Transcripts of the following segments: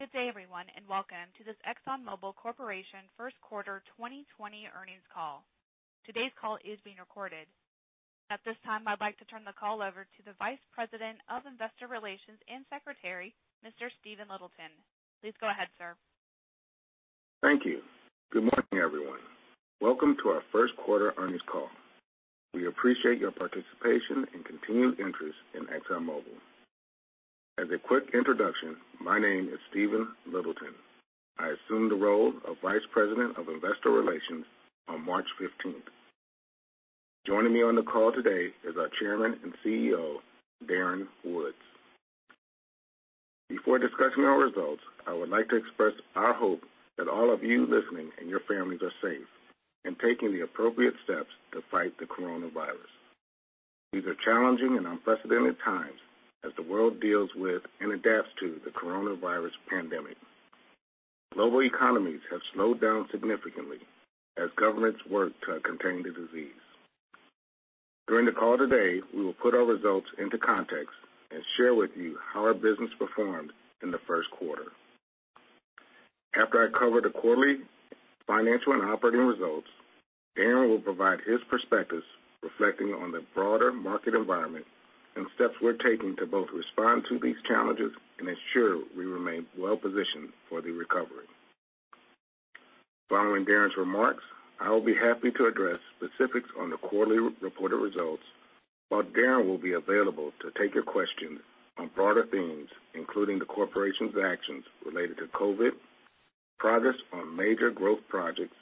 Good day, everyone, and welcome to this Exxon Mobil Corporation first quarter 2020 earnings call. Today's call is being recorded. At this time, I'd like to turn the call over to the Vice President of Investor Relations and Secretary, Mr. Stephen Littleton. Please go ahead, sir. Thank you. Good morning, everyone. Welcome to our first quarter earnings call. We appreciate your participation and continued interest in Exxon Mobil. As a quick introduction, my name is Stephen Littleton. I assumed the role of Vice President of Investor Relations on March 15th. Joining me on the call today is our Chairman and CEO, Darren Woods. Before discussing our results, I would like to express our hope that all of you listening and your families are safe and taking the appropriate steps to fight the coronavirus. These are challenging and unprecedented times as the world deals with and adapts to the coronavirus pandemic. Global economies have slowed down significantly as governments work to contain the disease. During the call today, we will put our results into context and share with you how our business performed in the first quarter. After I cover the quarterly financial and operating results, Darren will provide his perspectives reflecting on the broader market environment and steps we're taking to both respond to these challenges and ensure we remain well-positioned for the recovery. Following Darren's remarks, I will be happy to address specifics on the quarterly reported results, while Darren will be available to take your questions on broader themes, including the corporation's actions related to COVID, progress on major growth projects,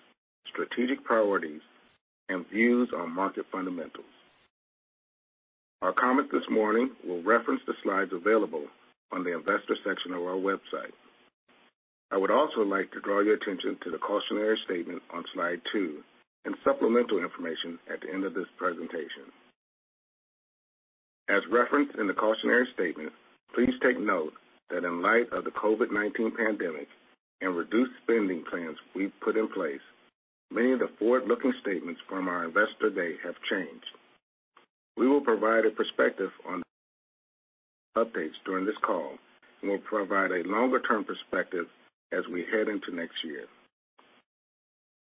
strategic priorities, and views on market fundamentals. Our comments this morning will reference the slides available on the investor section of our website. I would also like to draw your attention to the cautionary statement on slide two and supplemental information at the end of this presentation. As referenced in the cautionary statement, please take note that in light of the COVID-19 pandemic and reduced spending plans we've put in place, many of the forward-looking statements from our Investor Day have changed. We will provide a perspective on updates during this call, and we'll provide a longer-term perspective as we head into next year.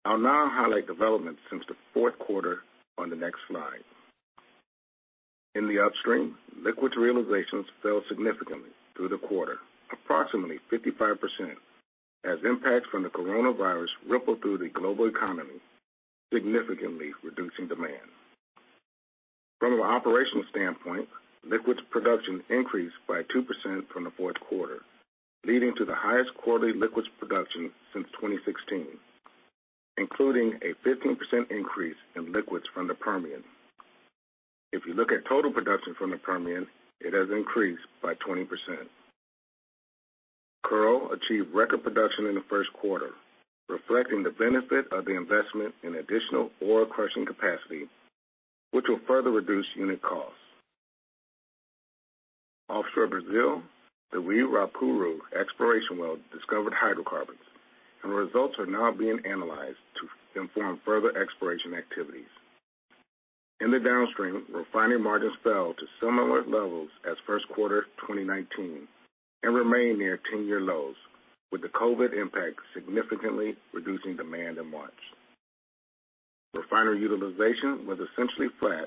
I'll now highlight developments since the fourth quarter on the next slide. In the upstream, liquids realizations fell significantly through the quarter, approximately 55%, as impacts from the coronavirus rippled through the global economy, significantly reducing demand. From an operational standpoint, liquids production increased by 2% from the fourth quarter, leading to the highest quarterly liquids production since 2016, including a 15% increase in liquids from the Permian. If you look at total production from the Permian, it has increased by 20%. Kearl achieved record production in the first quarter, reflecting the benefit of the investment in additional oil crushing capacity, which will further reduce unit costs. Offshore Brazil, the Uirapuru exploration well discovered hydrocarbons, and results are now being analyzed to inform further exploration activities. In the downstream, refinery margins fell to similar levels as first quarter 2019 and remain near 10-year lows, with the COVID impact significantly reducing demand in March. Refinery utilization was essentially flat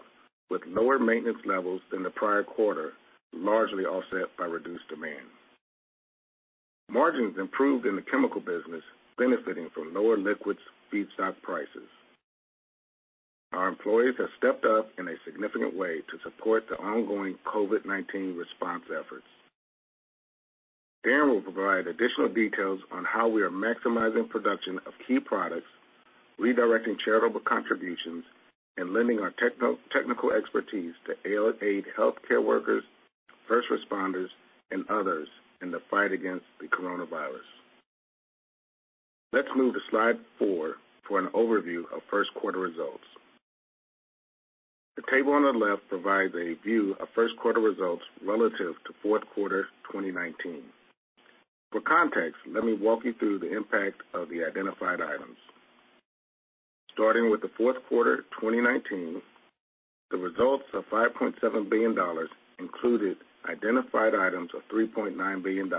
with lower maintenance levels than the prior quarter, largely offset by reduced demand. Margins improved in the chemical business, benefiting from lower liquids feedstock prices. Our employees have stepped up in a significant way to support the ongoing COVID-19 response efforts. Darren will provide additional details on how we are maximizing production of key products, redirecting charitable contributions, and lending our technical expertise to aid healthcare workers, first responders, and others in the fight against the coronavirus. Let's move to slide four for an overview of first quarter results. The table on the left provides a view of first quarter results relative to fourth quarter 2019. For context, let me walk you through the impact of the identified items. Starting with the fourth quarter 2019, the results of $5.7 billion included identified items of $3.9 billion,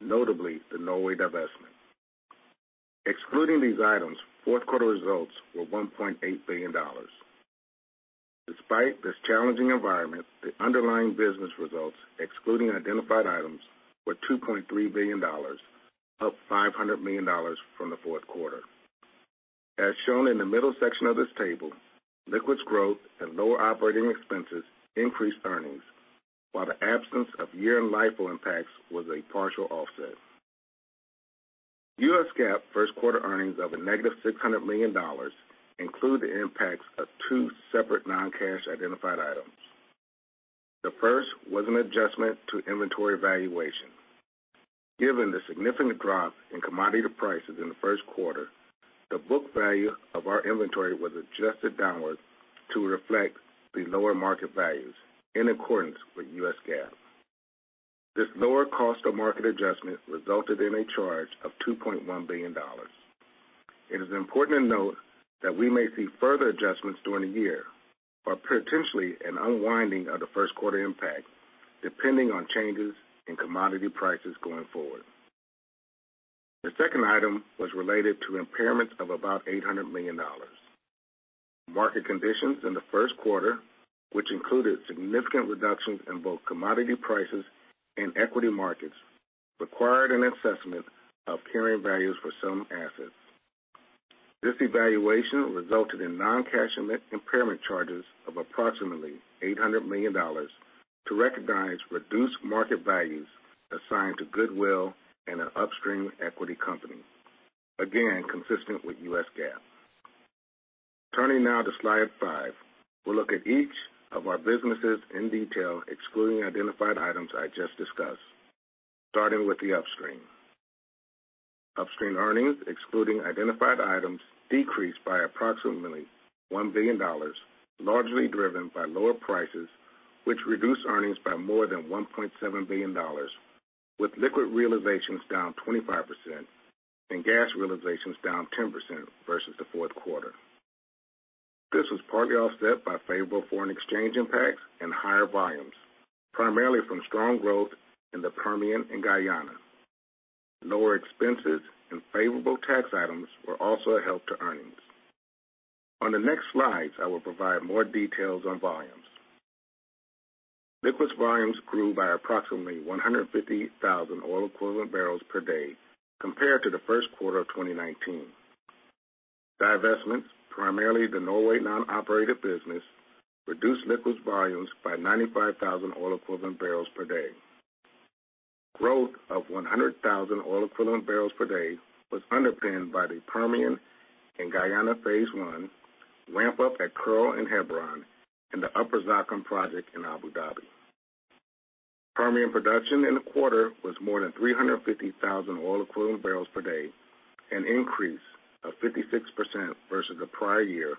notably the Norway divestment. Excluding these items, fourth quarter results were $1.8 billion. Despite this challenging environment, the underlying business results excluding identified items were $2.3 billion, up $500 million from the fourth quarter. As shown in the middle section of this table, liquids growth and lower operating expenses increased earnings, while the absence of year and LIFO impacts was a partial offset. U.S. GAAP first-quarter earnings of a -$600 million include the impacts of two separate non-cash identified items. The first was an adjustment to inventory valuation. Given the significant drop in commodity prices in the first quarter, the book value of our inventory was adjusted downwards to reflect the lower market values in accordance with U.S. GAAP. This lower cost of market adjustment resulted in a charge of $2.1 billion. It is important to note that we may see further adjustments during the year or potentially an unwinding of the first quarter impact, depending on changes in commodity prices going forward. The second item was related to impairments of about $800 million. Market conditions in the first quarter, which included significant reductions in both commodity prices and equity markets, required an assessment of carrying values for some assets. This evaluation resulted in non-cash impairment charges of approximately $800 million to recognize reduced market values assigned to goodwill in an upstream equity company. Again, consistent with U.S. GAAP. Turning now to slide five, we'll look at each of our businesses in detail, excluding identified items I just discussed. Starting with the upstream. Upstream earnings, excluding identified items, decreased by approximately $1 billion, largely driven by lower prices, which reduced earnings by more than $1.7 billion, with liquid realizations down 25% and gas realizations down 10% versus the fourth quarter. This was partly offset by favorable foreign exchange impacts and higher volumes, primarily from strong growth in the Permian and Guyana. Lower expenses and favorable tax items were also a help to earnings. On the next slides, I will provide more details on volumes. Liquids volumes grew by approximately 150,000 oil equivalent barrels per day compared to the first quarter of 2019. Divestments, primarily the Norway non-operated business, reduced liquids volumes by 95,000 oil equivalent barrels per day. Growth of 100,000 oil equivalent barrels per day was underpinned by the Permian and Guyana phase I, ramp up at Kearl and Hebron, and the Upper Zakum project in Abu Dhabi. Permian production in the quarter was more than 350,000 oil equivalent barrels per day, an increase of 56% versus the prior year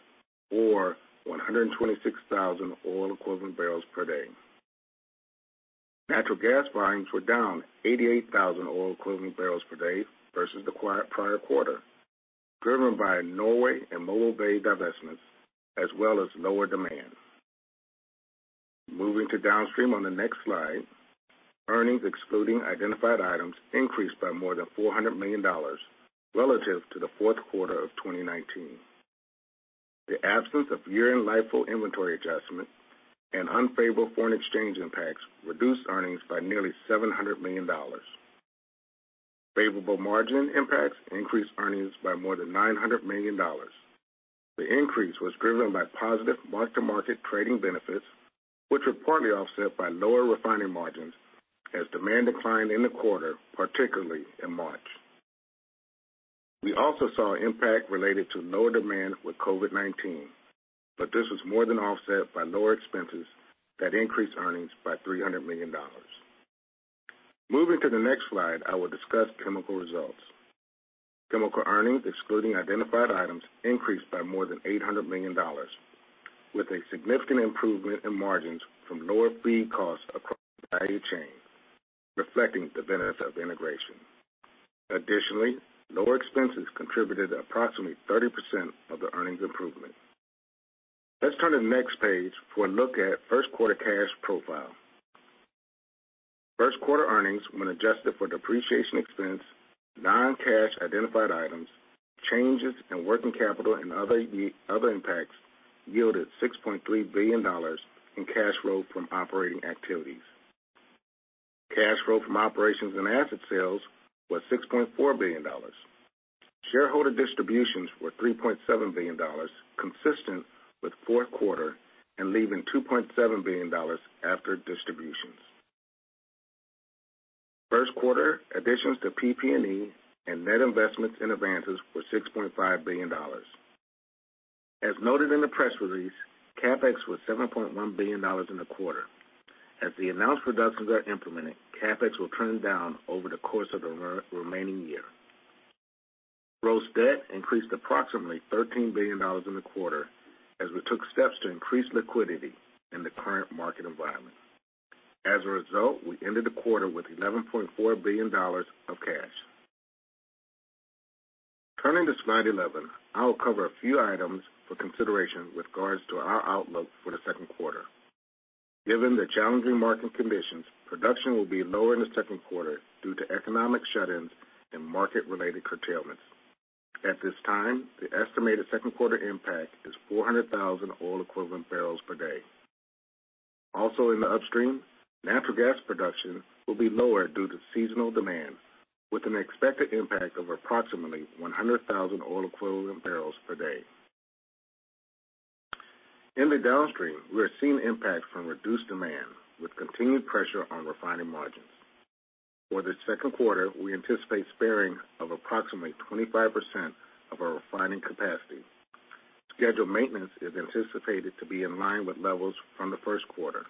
or 126,000 oil equivalent barrels per day. Natural gas volumes were down 88,000 oil equivalent barrels per day versus the prior quarter, driven by Norway and Mobile Bay divestments, as well as lower demand. Moving to downstream on the next slide, earnings excluding identified items increased by more than $400 million relative to the fourth quarter of 2019. The absence of year-end LIFO inventory adjustments and unfavorable foreign exchange impacts reduced earnings by nearly $700 million. Favorable margin impacts increased earnings by more than $900 million. The increase was driven by positive mark-to-market trading benefits, which were partly offset by lower refining margins as demand declined in the quarter, particularly in March. We also saw impact related to lower demand with COVID-19. This was more than offset by lower expenses that increased earnings by $300 million. Moving to the next slide, I will discuss chemical results. Chemical earnings excluding identified items increased by more than $800 million with a significant improvement in margins from lower feed costs across the value chain, reflecting the benefits of integration. Additionally, lower expenses contributed approximately 30% of the earnings improvement. Let's turn to the next page for a look at first quarter cash profile. First quarter earnings, when adjusted for depreciation expense, non-cash identified items, changes in working capital and other impacts, yielded $6.3 billion in cash flow from operating activities. Cash flow from operations and asset sales was $6.4 billion. Shareholder distributions were $3.7 billion, consistent with the fourth quarter and leaving $2.7 billion after distributions. First quarter additions to PP&E and net investments in advances were $6.5 billion. As noted in the press release, CapEx was $7.1 billion in the quarter. As the announced reductions are implemented, CapEx will trend down over the course of the remaining year. Gross debt increased approximately $13 billion in the quarter as we took steps to increase liquidity in the current market environment. As a result, we ended the quarter with $11.4 billion of cash. Turning to slide 11, I will cover a few items for consideration with regards to our outlook for the second quarter. Given the challenging market conditions, production will be lower in the second quarter due to economic shut-ins and market-related curtailments. At this time, the estimated second quarter impact is 400,000 oil equivalent barrels per day. In the upstream, natural gas production will be lower due to seasonal demand, with an expected impact of approximately 100,000 oil equivalent barrels per day. In the downstream, we are seeing impact from reduced demand with continued pressure on refining margins. For the second quarter, we anticipate sparing of approximately 25% of our refining capacity. Scheduled maintenance is anticipated to be in line with levels from the first quarter.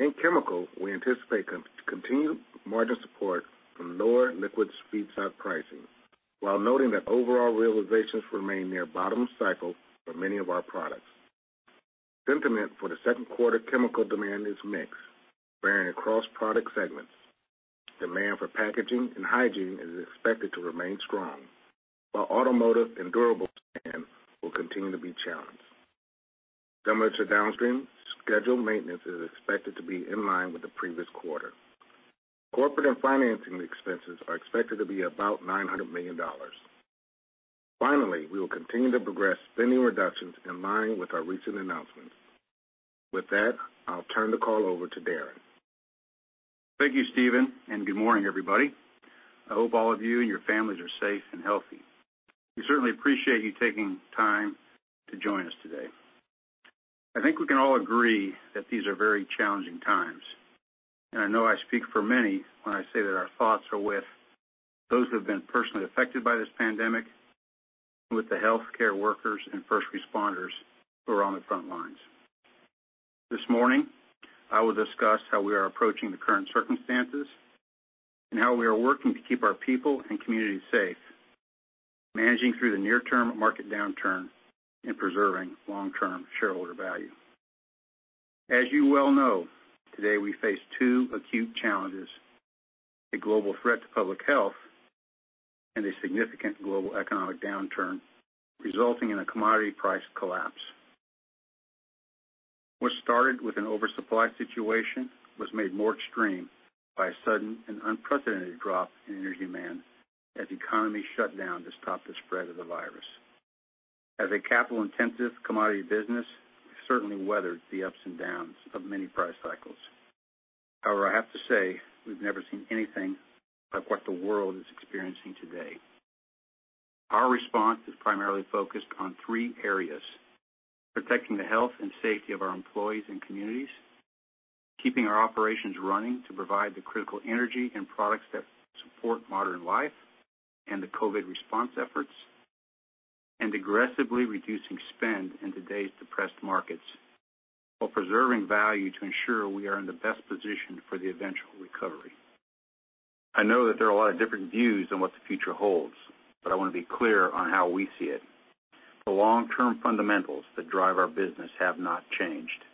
In chemical, we anticipate continued margin support from lower liquids feedstock pricing, while noting that overall realizations remain near bottom cycle for many of our products. Sentiment for the second quarter chemical demand is mixed, varying across product segments. Demand for packaging and hygiene is expected to remain strong, while automotive and durable demand will continue to be challenged. Downstream scheduled maintenance is expected to be in line with the previous quarter. Corporate and financing expenses are expected to be about $900 million. Finally, we will continue to progress spending reductions in line with our recent announcements. With that, I'll turn the call over to Darren. Thank you, Stephen, and good morning, everybody. I hope all of you and your families are safe and healthy. We certainly appreciate you taking time to join us today. I think we can all agree that these are very challenging times, and I know I speak for many when I say that our thoughts are with those who have been personally affected by this pandemic, with the healthcare workers and first responders who are on the front lines. This morning, I will discuss how we are approaching the current circumstances and how we are working to keep our people and communities safe, managing through the near-term market downturn and preserving long-term shareholder value. As you well know, today we face two acute challenges, a global threat to public health and a significant global economic downturn resulting in a commodity price collapse. What started with an oversupply situation was made more extreme by a sudden and unprecedented drop in energy demand as economies shut down to stop the spread of the virus. As a capital-intensive commodity business, we've certainly weathered the ups and downs of many price cycles. However, I have to say, we've never seen anything like what the world is experiencing today. Our response is primarily focused on three areas, protecting the health and safety of our employees and communities, keeping our operations running to provide the critical energy and products that support modern life and the COVID response efforts, and aggressively reducing spend in today's depressed markets while preserving value to ensure we are in the best position for the eventual recovery. I know that there are a lot of different views on what the future holds, but I want to be clear on how we see it. The long-term fundamentals that drive our business have not changed.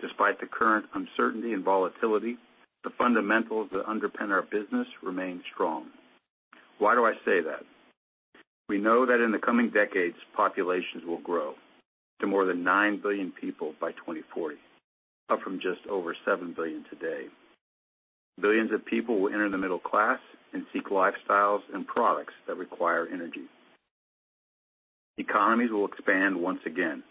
Despite the current uncertainty and volatility, the fundamentals that underpin our business remain strong. Why do I say that? We know that in the coming decades, populations will grow to more than 9 billion people by 2040, up from just over 7 billion today. Billions of people will enter the middle class and seek lifestyles and products that require energy. Economies will expand once again.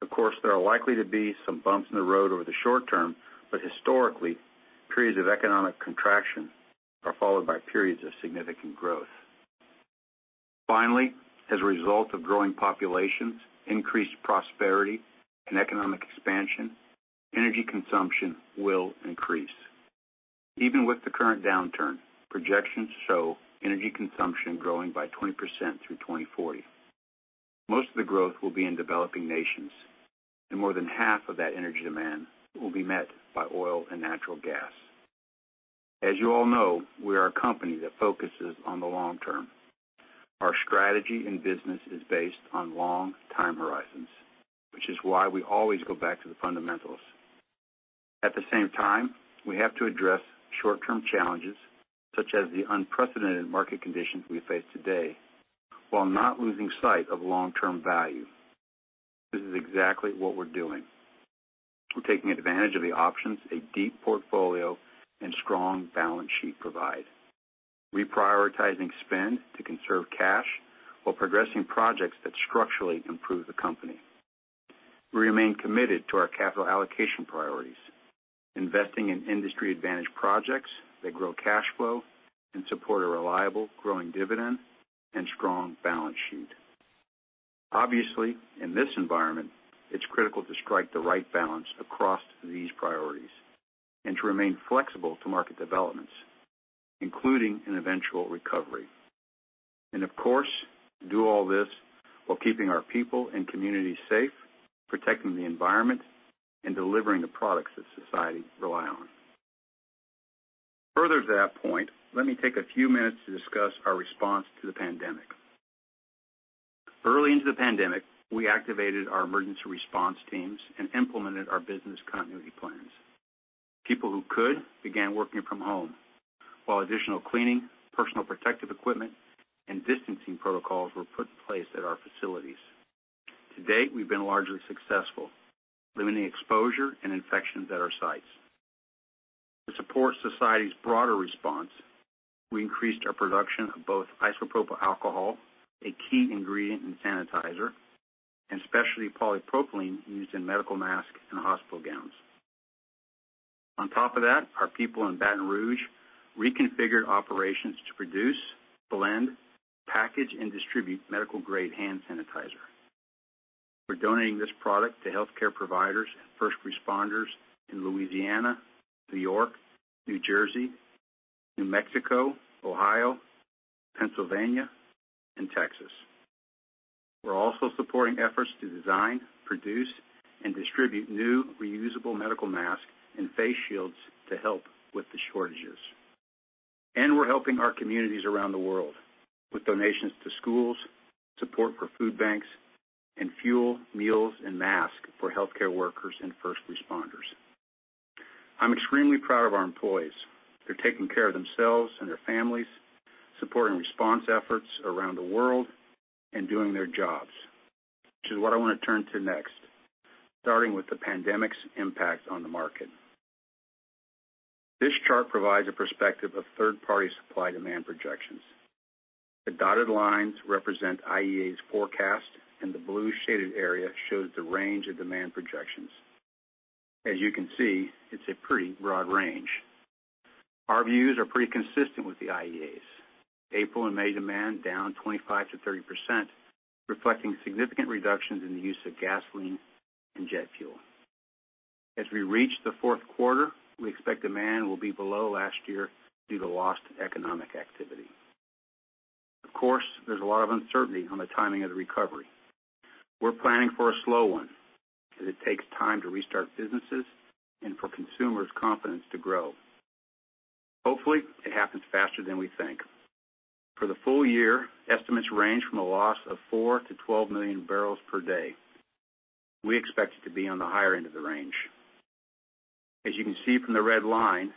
Of course, there are likely to be some bumps in the road over the short term, but historically, periods of economic contraction are followed by periods of significant growth. Finally, as a result of growing populations, increased prosperity, and economic expansion, energy consumption will increase. Even with the current downturn, projections show energy consumption growing by 20% through 2040. Most of the growth will be in developing nations, and more than half of that energy demand will be met by oil and natural gas. As you all know, we are a company that focuses on the long term. Our strategy and business is based on long time horizons, which is why we always go back to the fundamentals. At the same time, we have to address short-term challenges, such as the unprecedented market conditions we face today, while not losing sight of long-term value. This is exactly what we're doing. We're taking advantage of the options a deep portfolio and strong balance sheet provide. Reprioritizing spend to conserve cash while progressing projects that structurally improve the company. We remain committed to our capital allocation priorities, investing in industry advantage projects that grow cash flow and support a reliable growing dividend and strong balance sheet. Obviously, in this environment, it's critical to strike the right balance across these priorities and to remain flexible to market developments, including an eventual recovery. Of course, do all this while keeping our people and communities safe, protecting the environment, and delivering the products that society rely on. Further to that point, let me take a few minutes to discuss our response to the pandemic. Early into the pandemic, we activated our emergency response teams and implemented our business continuity plans. People who could began working from home, while additional cleaning, personal protective equipment, and distancing protocols were put in place at our facilities. To date, we've been largely successful, limiting exposure and infections at our sites. To support society's broader response, we increased our production of both isopropyl alcohol, a key ingredient in sanitizer, and specialty polypropylene used in medical masks and hospital gowns. On top of that, our people in Baton Rouge reconfigured operations to produce, blend, package, and distribute medical-grade hand sanitizer. We're donating this product to healthcare providers and first responders in Louisiana, New York, New Jersey, New Mexico, Ohio, Pennsylvania, and Texas. We're supporting efforts to design, produce, and distribute new reusable medical masks and face shields to help with the shortages. We're helping our communities around the world with donations to schools, support for food banks, and fuel, meals, and masks for healthcare workers and first responders. I'm extremely proud of our employees for taking care of themselves and their families, supporting response efforts around the world, and doing their jobs. Which is what I want to turn to next, starting with the pandemic's impact on the market. This chart provides a perspective of third-party supply-demand projections. The dotted lines represent IEA's forecast, and the blue shaded area shows the range of demand projections. As you can see, it's a pretty broad range. Our views are pretty consistent with the IEA's. April and May demand down 25%-30%, reflecting significant reductions in the use of gasoline and jet fuel. As we reach the fourth quarter, we expect demand will be below last year due to lost economic activity. Of course, there's a lot of uncertainty on the timing of the recovery. We're planning for a slow one, as it takes time to restart businesses and for consumers' confidence to grow. Hopefully, it happens faster than we think. For the full year, estimates range from a loss of 4 million-12 million barrels per day. We expect it to be on the higher end of the range. As you can see from the red line,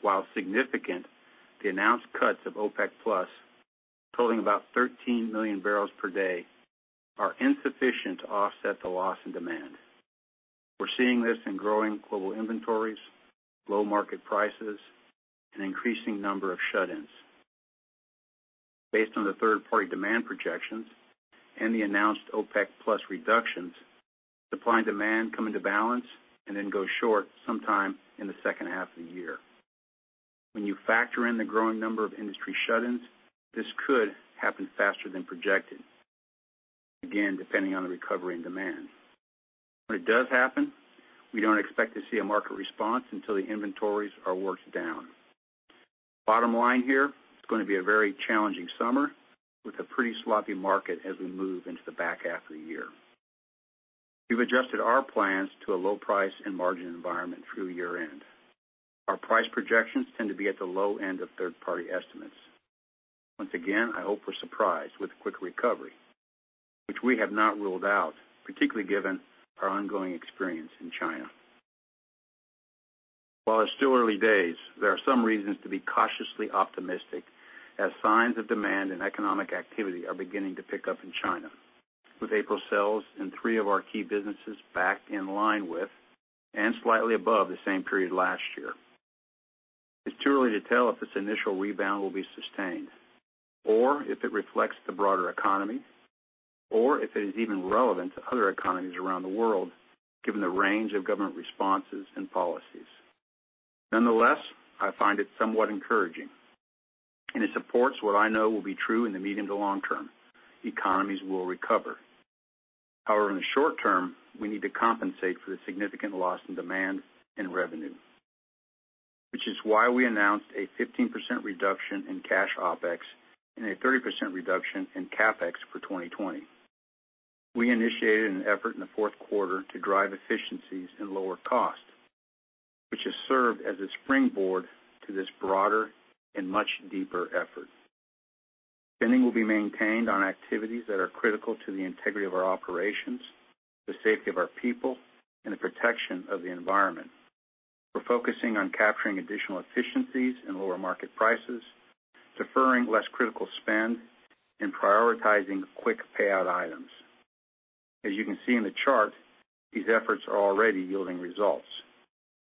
while significant, the announced cuts of OPEC+, totaling about 13 million barrels per day, are insufficient to offset the loss in demand. We're seeing this in growing global inventories, low market prices, an increasing number of shut-ins. Based on the third-party demand projections and the announced OPEC+ reductions, supply and demand come into balance and then go short sometime in the second half of the year. When you factor in the growing number of industry shut-ins, this could happen faster than projected, again depending on the recovery and demand. When it does happen, we don't expect to see a market response until the inventories are worked down. Bottom line here, it's going to be a very challenging summer with a pretty sloppy market as we move into the back half of the year. We've adjusted our plans to a low price and margin environment through year-end. Our price projections tend to be at the low end of third-party estimates. Once again, I hope we're surprised with a quick recovery, which we have not ruled out, particularly given our ongoing experience in China. While it's still early days, there are some reasons to be cautiously optimistic as signs of demand and economic activity are beginning to pick up in China, with April sales in three of our key businesses back in line with and slightly above the same period last year. It's too early to tell if this initial rebound will be sustained, or if it reflects the broader economy, or if it is even relevant to other economies around the world, given the range of government responses and policies. Nonetheless, I find it somewhat encouraging, and it supports what I know will be true in the medium to long term: economies will recover. However, in the short term, we need to compensate for the significant loss in demand and revenue. Which is why we announced a 15% reduction in cash OpEx and a 30% reduction in CapEx for 2020. We initiated an effort in the fourth quarter to drive efficiencies and lower costs, which has served as a springboard to this broader and much deeper effort. Spending will be maintained on activities that are critical to the integrity of our operations, the safety of our people, and the protection of the environment. We're focusing on capturing additional efficiencies and lower market prices, deferring less critical spend, and prioritizing quick payout items. As you can see in the chart, these efforts are already yielding results.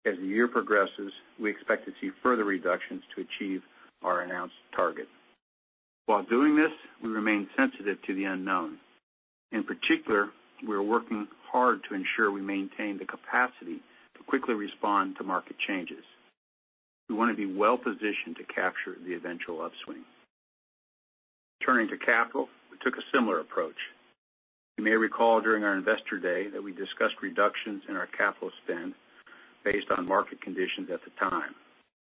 As the year progresses, we expect to see further reductions to achieve our announced target. While doing this, we remain sensitive to the unknown. In particular, we're working hard to ensure we maintain the capacity to quickly respond to market changes. We want to be well-positioned to capture the eventual upswing. Turning to capital, we took a similar approach. You may recall during our Investor Day that we discussed reductions in our capital spend based on market conditions at the time.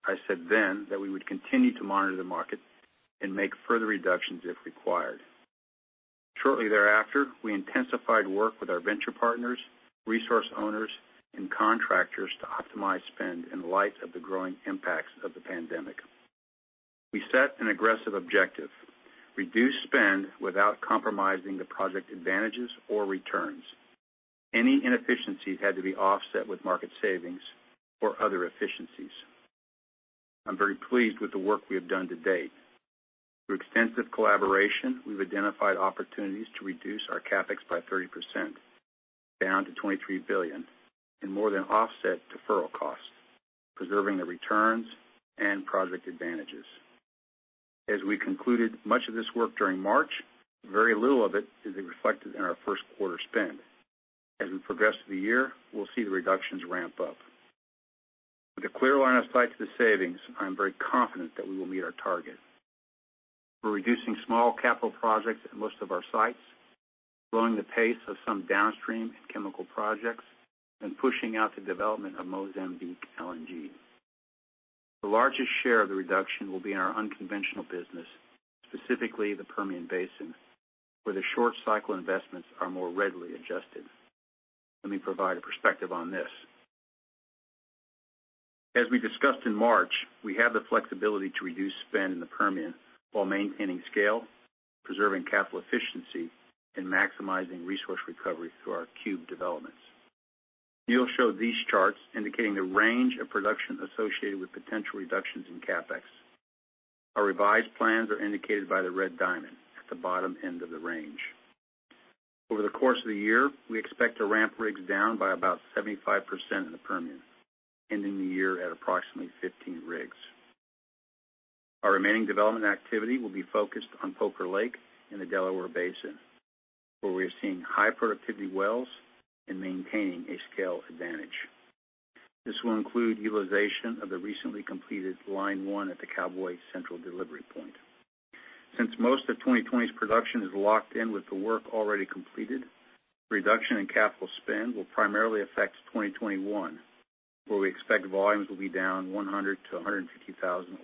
I said then that we would continue to monitor the market and make further reductions if required. Shortly thereafter, we intensified work with our venture partners, resource owners, and contractors to optimize spend in light of the growing impacts of the pandemic. We set an aggressive objective: reduce spend without compromising the project advantages or returns. Any inefficiencies had to be offset with market savings or other efficiencies. I'm very pleased with the work we have done to date. Through extensive collaboration, we've identified opportunities to reduce our CapEx by 30%, down to $23 billion, and more than offset deferral costs, preserving the returns and project advantages. As we concluded much of this work during March, very little of it is reflected in our first-quarter spend. As we progress through the year, we'll see the reductions ramp up. With a clear line of sight to the savings, I am very confident that we will meet our target. We're reducing small capital projects at most of our sites, slowing the pace of some downstream and chemical projects, and pushing out the development of Mozambique LNG. The largest share of the reduction will be in our unconventional business, specifically the Permian Basin, where the short-cycle investments are more readily adjusted. Let me provide a perspective on this. As we discussed in March, we have the flexibility to reduce spend in the Permian while maintaining scale, preserving capital efficiency, and maximizing resource recovery through our cube developments. Neil showed these charts indicating the range of production associated with potential reductions in CapEx. Our revised plans are indicated by the red diamond at the bottom end of the range. Over the course of the year, we expect to ramp rigs down by about 75% in the Permian, ending the year at approximately 15 rigs. Our remaining development activity will be focused on Poker Lake in the Delaware Basin, where we are seeing high productivity wells and maintaining a scale advantage. This will include utilization of the recently completed line one at the Cowboy Central Delivery Point. Since most of 2020's production is locked in with the work already completed, reduction in CapEx will primarily affect 2021, where we expect volumes will be down 100,000-150,000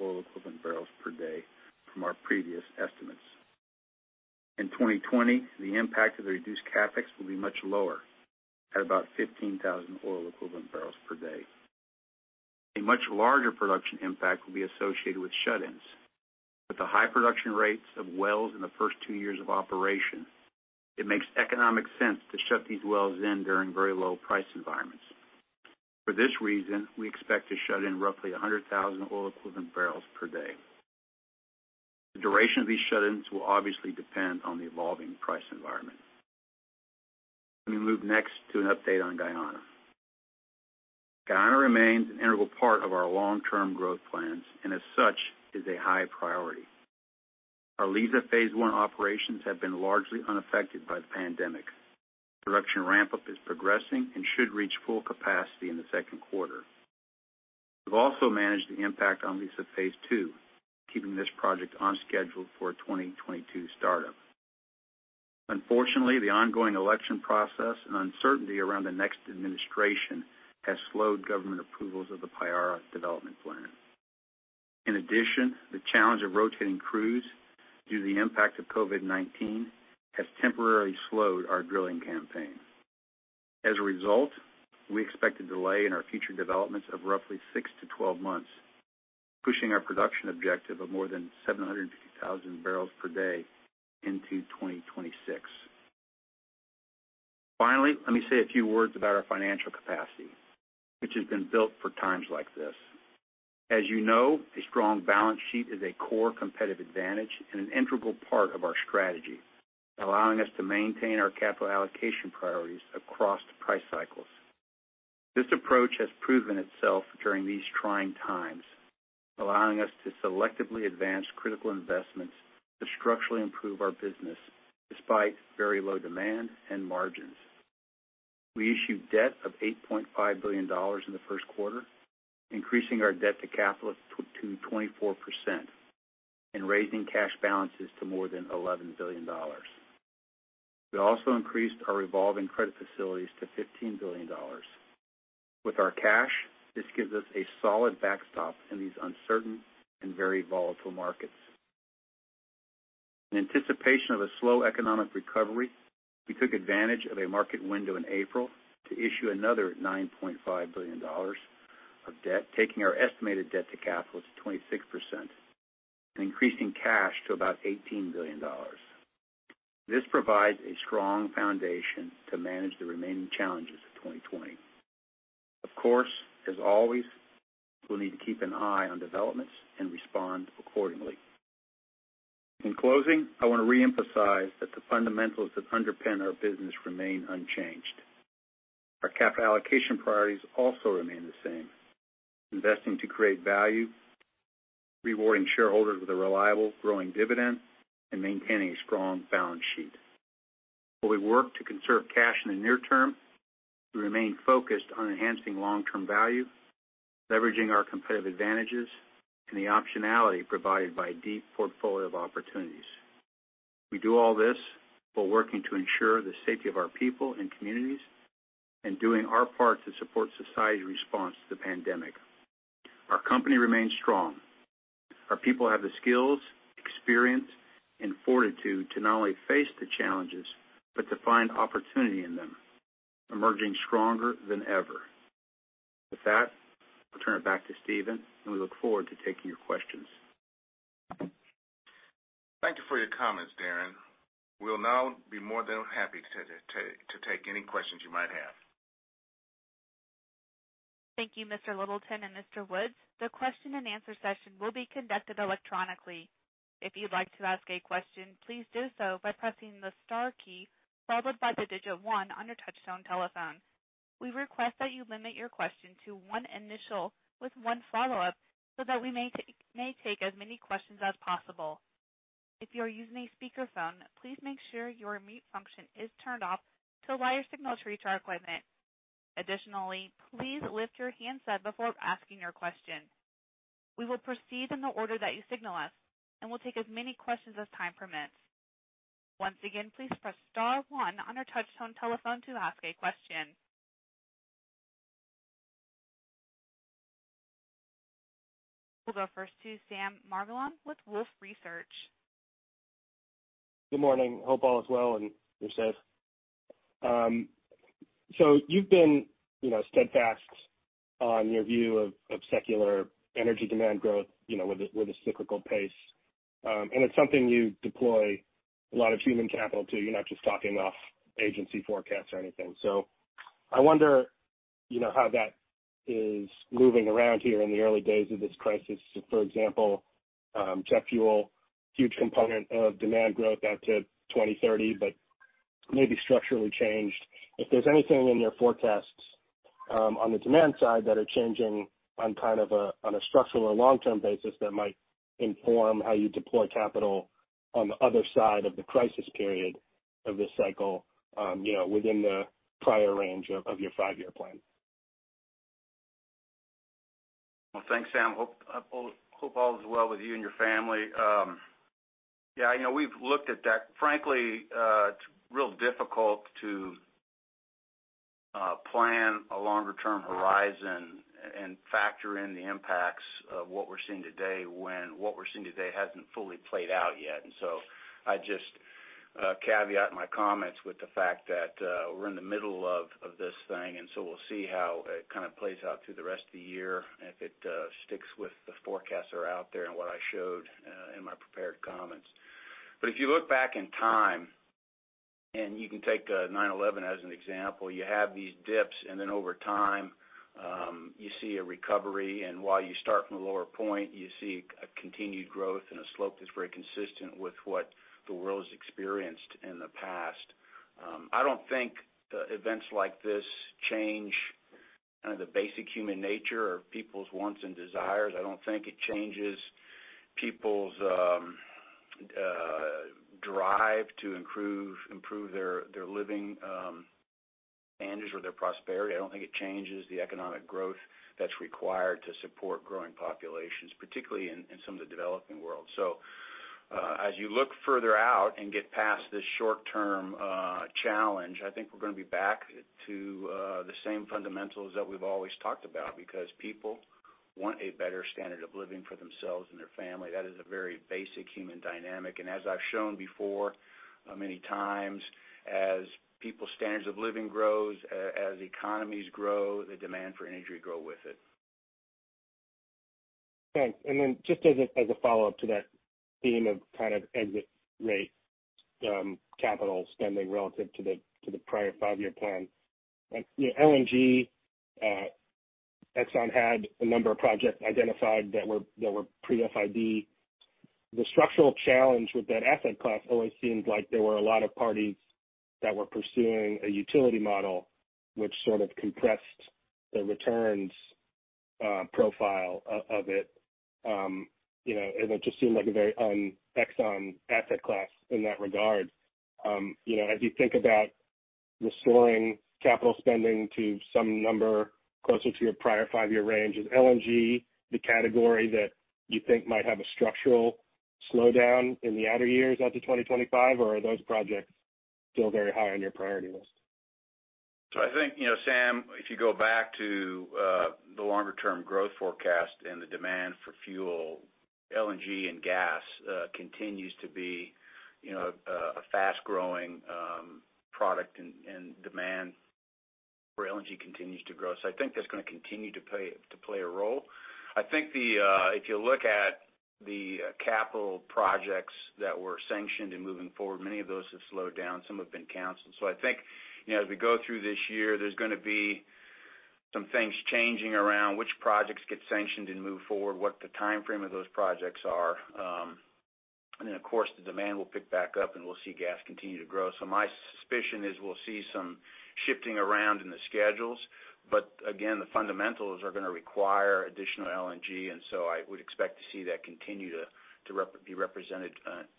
oil equivalent barrels per day from our previous estimates. In 2020, the impact of the reduced CapEx will be much lower at about 15,000 oil equivalent barrels per day. A much larger production impact will be associated with shut-ins. With the high production rates of wells in the first two years of operation, it makes economic sense to shut these wells in during very low price environments. For this reason, we expect to shut in roughly 100,000 oil equivalent barrels per day. The duration of these shut-ins will obviously depend on the evolving price environment. Let me move next to an update on Guyana. Guyana remains an integral part of our long-term growth plans and as such, is a high priority. Our Liza Phase I operations have been largely unaffected by the pandemic. Production ramp-up is progressing and should reach full capacity in the second quarter. We've also managed the impact on Liza Phase Two, keeping this project on schedule for a 2022 startup. Unfortunately, the ongoing election process and uncertainty around the next administration has slowed government approvals of the Payara development plan. In addition, the challenge of rotating crews due to the impact of COVID-19 has temporarily slowed our drilling campaign. As a result, we expect a delay in our future developments of roughly 6-12 months, pushing our production objective of more than 750,000 bbl per day into 2026. Finally, let me say a few words about our financial capacity, which has been built for times like this. As you know, a strong balance sheet is a core competitive advantage and an integral part of our strategy, allowing us to maintain our capital allocation priorities across the price cycles. This approach has proven itself during these trying times, allowing us to selectively advance critical investments to structurally improve our business despite very low demand and margins. We issued debt of $8.5 billion in the first quarter, increasing our debt to capital to 24% and raising cash balances to more than $11 billion. We also increased our revolving credit facilities to $15 billion. With our cash, this gives us a solid backstop in these uncertain and very volatile markets. In anticipation of a slow economic recovery, we took advantage of a market window in April to issue another $9.5 billion of debt, taking our estimated debt to capital to 26% and increasing cash to about $18 billion. This provides a strong foundation to manage the remaining challenges of 2020. Of course, as always, we'll need to keep an eye on developments and respond accordingly. In closing, I want to reemphasize that the fundamentals that underpin our business remain unchanged. Our capital allocation priorities also remain the same, investing to create value, rewarding shareholders with a reliable growing dividend, and maintaining a strong balance sheet. While we work to conserve cash in the near term, we remain focused on enhancing long-term value, leveraging our competitive advantages, and the optionality provided by a deep portfolio of opportunities. We do all this while working to ensure the safety of our people and communities and doing our part to support society's response to the pandemic. Our company remains strong. Our people have the skills, experience, and fortitude to not only face the challenges, but to find opportunity in them, emerging stronger than ever. With that, I'll turn it back to Stephen. We look forward to taking your questions. Thank you for your comments, Darren. We'll now be more than happy to take any questions you might have. Thank you, Mr. Littleton and Mr. Woods. The question and answer session will be conducted electronically. If you'd like to ask a question, please do so by pressing the star key followed by the digit one on your touchtone telephone. We request that you limit your question to one initial with one follow-up so that we may take as many questions as possible. If you're using a speakerphone, please make sure your mute function is turned off to allow your signal to reach our equipment. Additionally, please lift your handset before asking your question. We will proceed in the order that you signal us, and we'll take as many questions as time permits. Once again, please press star one on your touchtone telephone to ask a question. We'll go first to Sam Margolin with Wolfe Research. Good morning. Hope all is well and you're safe. You've been steadfast on your view of secular energy demand growth with a cyclical pace. It's something you deploy a lot of human capital to. You're not just talking off agency forecasts or anything. I wonder how that is moving around here in the early days of this crisis. For example, jet fuel, huge component of demand growth out to 2030, but maybe structurally changed. If there's anything in your forecasts on the demand side that are changing on a structural or long-term basis that might inform how you deploy capital on the other side of the crisis period of this cycle within the prior range of your five-year plan. Well, thanks, Sam. Hope all is well with you and your family. Yeah, we've looked at that. Frankly, it's real difficult to plan a longer-term horizon and factor in the impacts of what we're seeing today, when what we're seeing today hasn't fully played out yet. I just caveat my comments with the fact that we're in the middle of this thing, so we'll see how it kind of plays out through the rest of the year, if it sticks with the forecasts that are out there and what I showed in my prepared comments. If you look back in time, and you can take 9/11 as an example, you have these dips, and then over time, you see a recovery. While you start from a lower point, you see a continued growth and a slope that's very consistent with what the world has experienced in the past. I don't think events like this change the basic human nature or people's wants and desires. I don't think it changes people's drive to improve their living standards or their prosperity. I don't think it changes the economic growth that's required to support growing populations, particularly in some of the developing world. So as you look further out and get past this short-term challenge, I think we're going to be back to the same fundamentals that we've always talked about because people want a better standard of living for themselves and their family. That is a very basic human dynamic. As I've shown before, many times as people's standards of living grows, as economies grow, the demand for energy grow with it. Thanks. Then just as a follow-up to that theme of kind of exit rate capital spending relative to the prior five-year plan. LNG, Exxon had a number of projects identified that were pre-FID. The structural challenge with that asset class always seemed like there were a lot of parties that were pursuing a utility model which sort of compressed the returns profile of it. It just seemed like a very un-Exxon asset class in that regard. As you think about restoring capital spending to some number closer to your prior five-year range, is LNG the category that you think might have a structural slowdown in the outer years out to 2025, or are those projects still very high on your priority list? I think, Sam, if you go back to the longer-term growth forecast and the demand for fuel, LNG and gas continues to be a fast-growing product, and demand for LNG continues to grow. I think that's going to continue to play a role. I think if you look at the capital projects that were sanctioned and moving forward, many of those have slowed down. Some have been canceled. I think, as we go through this year, there's going to be some things changing around which projects get sanctioned and move forward, what the timeframe of those projects are. Then, of course, the demand will pick back up, and we'll see gas continue to grow. My suspicion is we'll see some shifting around in the schedules, but again, the fundamentals are going to require additional LNG, and so I would expect to see that continue to be represented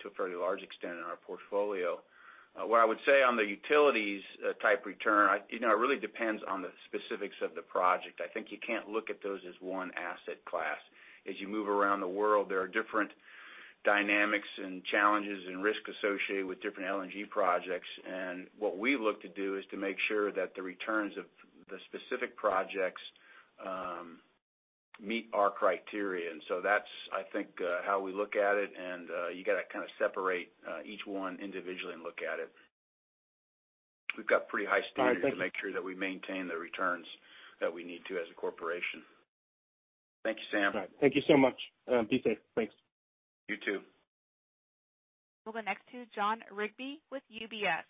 to a fairly large extent in our portfolio. What I would say on the utilities type return, it really depends on the specifics of the project. I think you can't look at those as one asset class. As you move around the world, there are different dynamics and challenges and risks associated with different LNG projects. What we look to do is to make sure that the returns of the specific projects meet our criteria. That's, I think, how we look at it, and you got to kind of separate each one individually and look at it. We've got pretty high standards. All right. Thank you. To make sure that we maintain the returns that we need to as a corporation. Thank you, Sam. All right. Thank you so much. Be safe. Thanks. You too. We'll go next to Jon Rigby with UBS.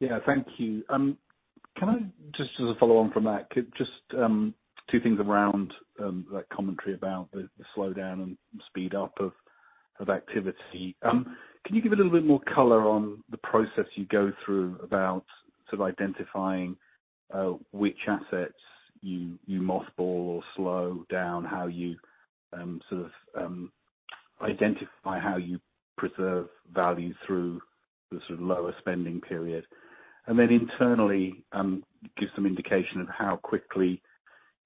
Yeah, thank you. Can I just as a follow-on from that, just two things around that commentary about the slowdown and speed up of activity. Can you give a little bit more color on the process you go through about sort of identifying which assets you mothball or slow down, how you sort of identify how you preserve value through the sort of lower spending period? Internally, give some indication of how quickly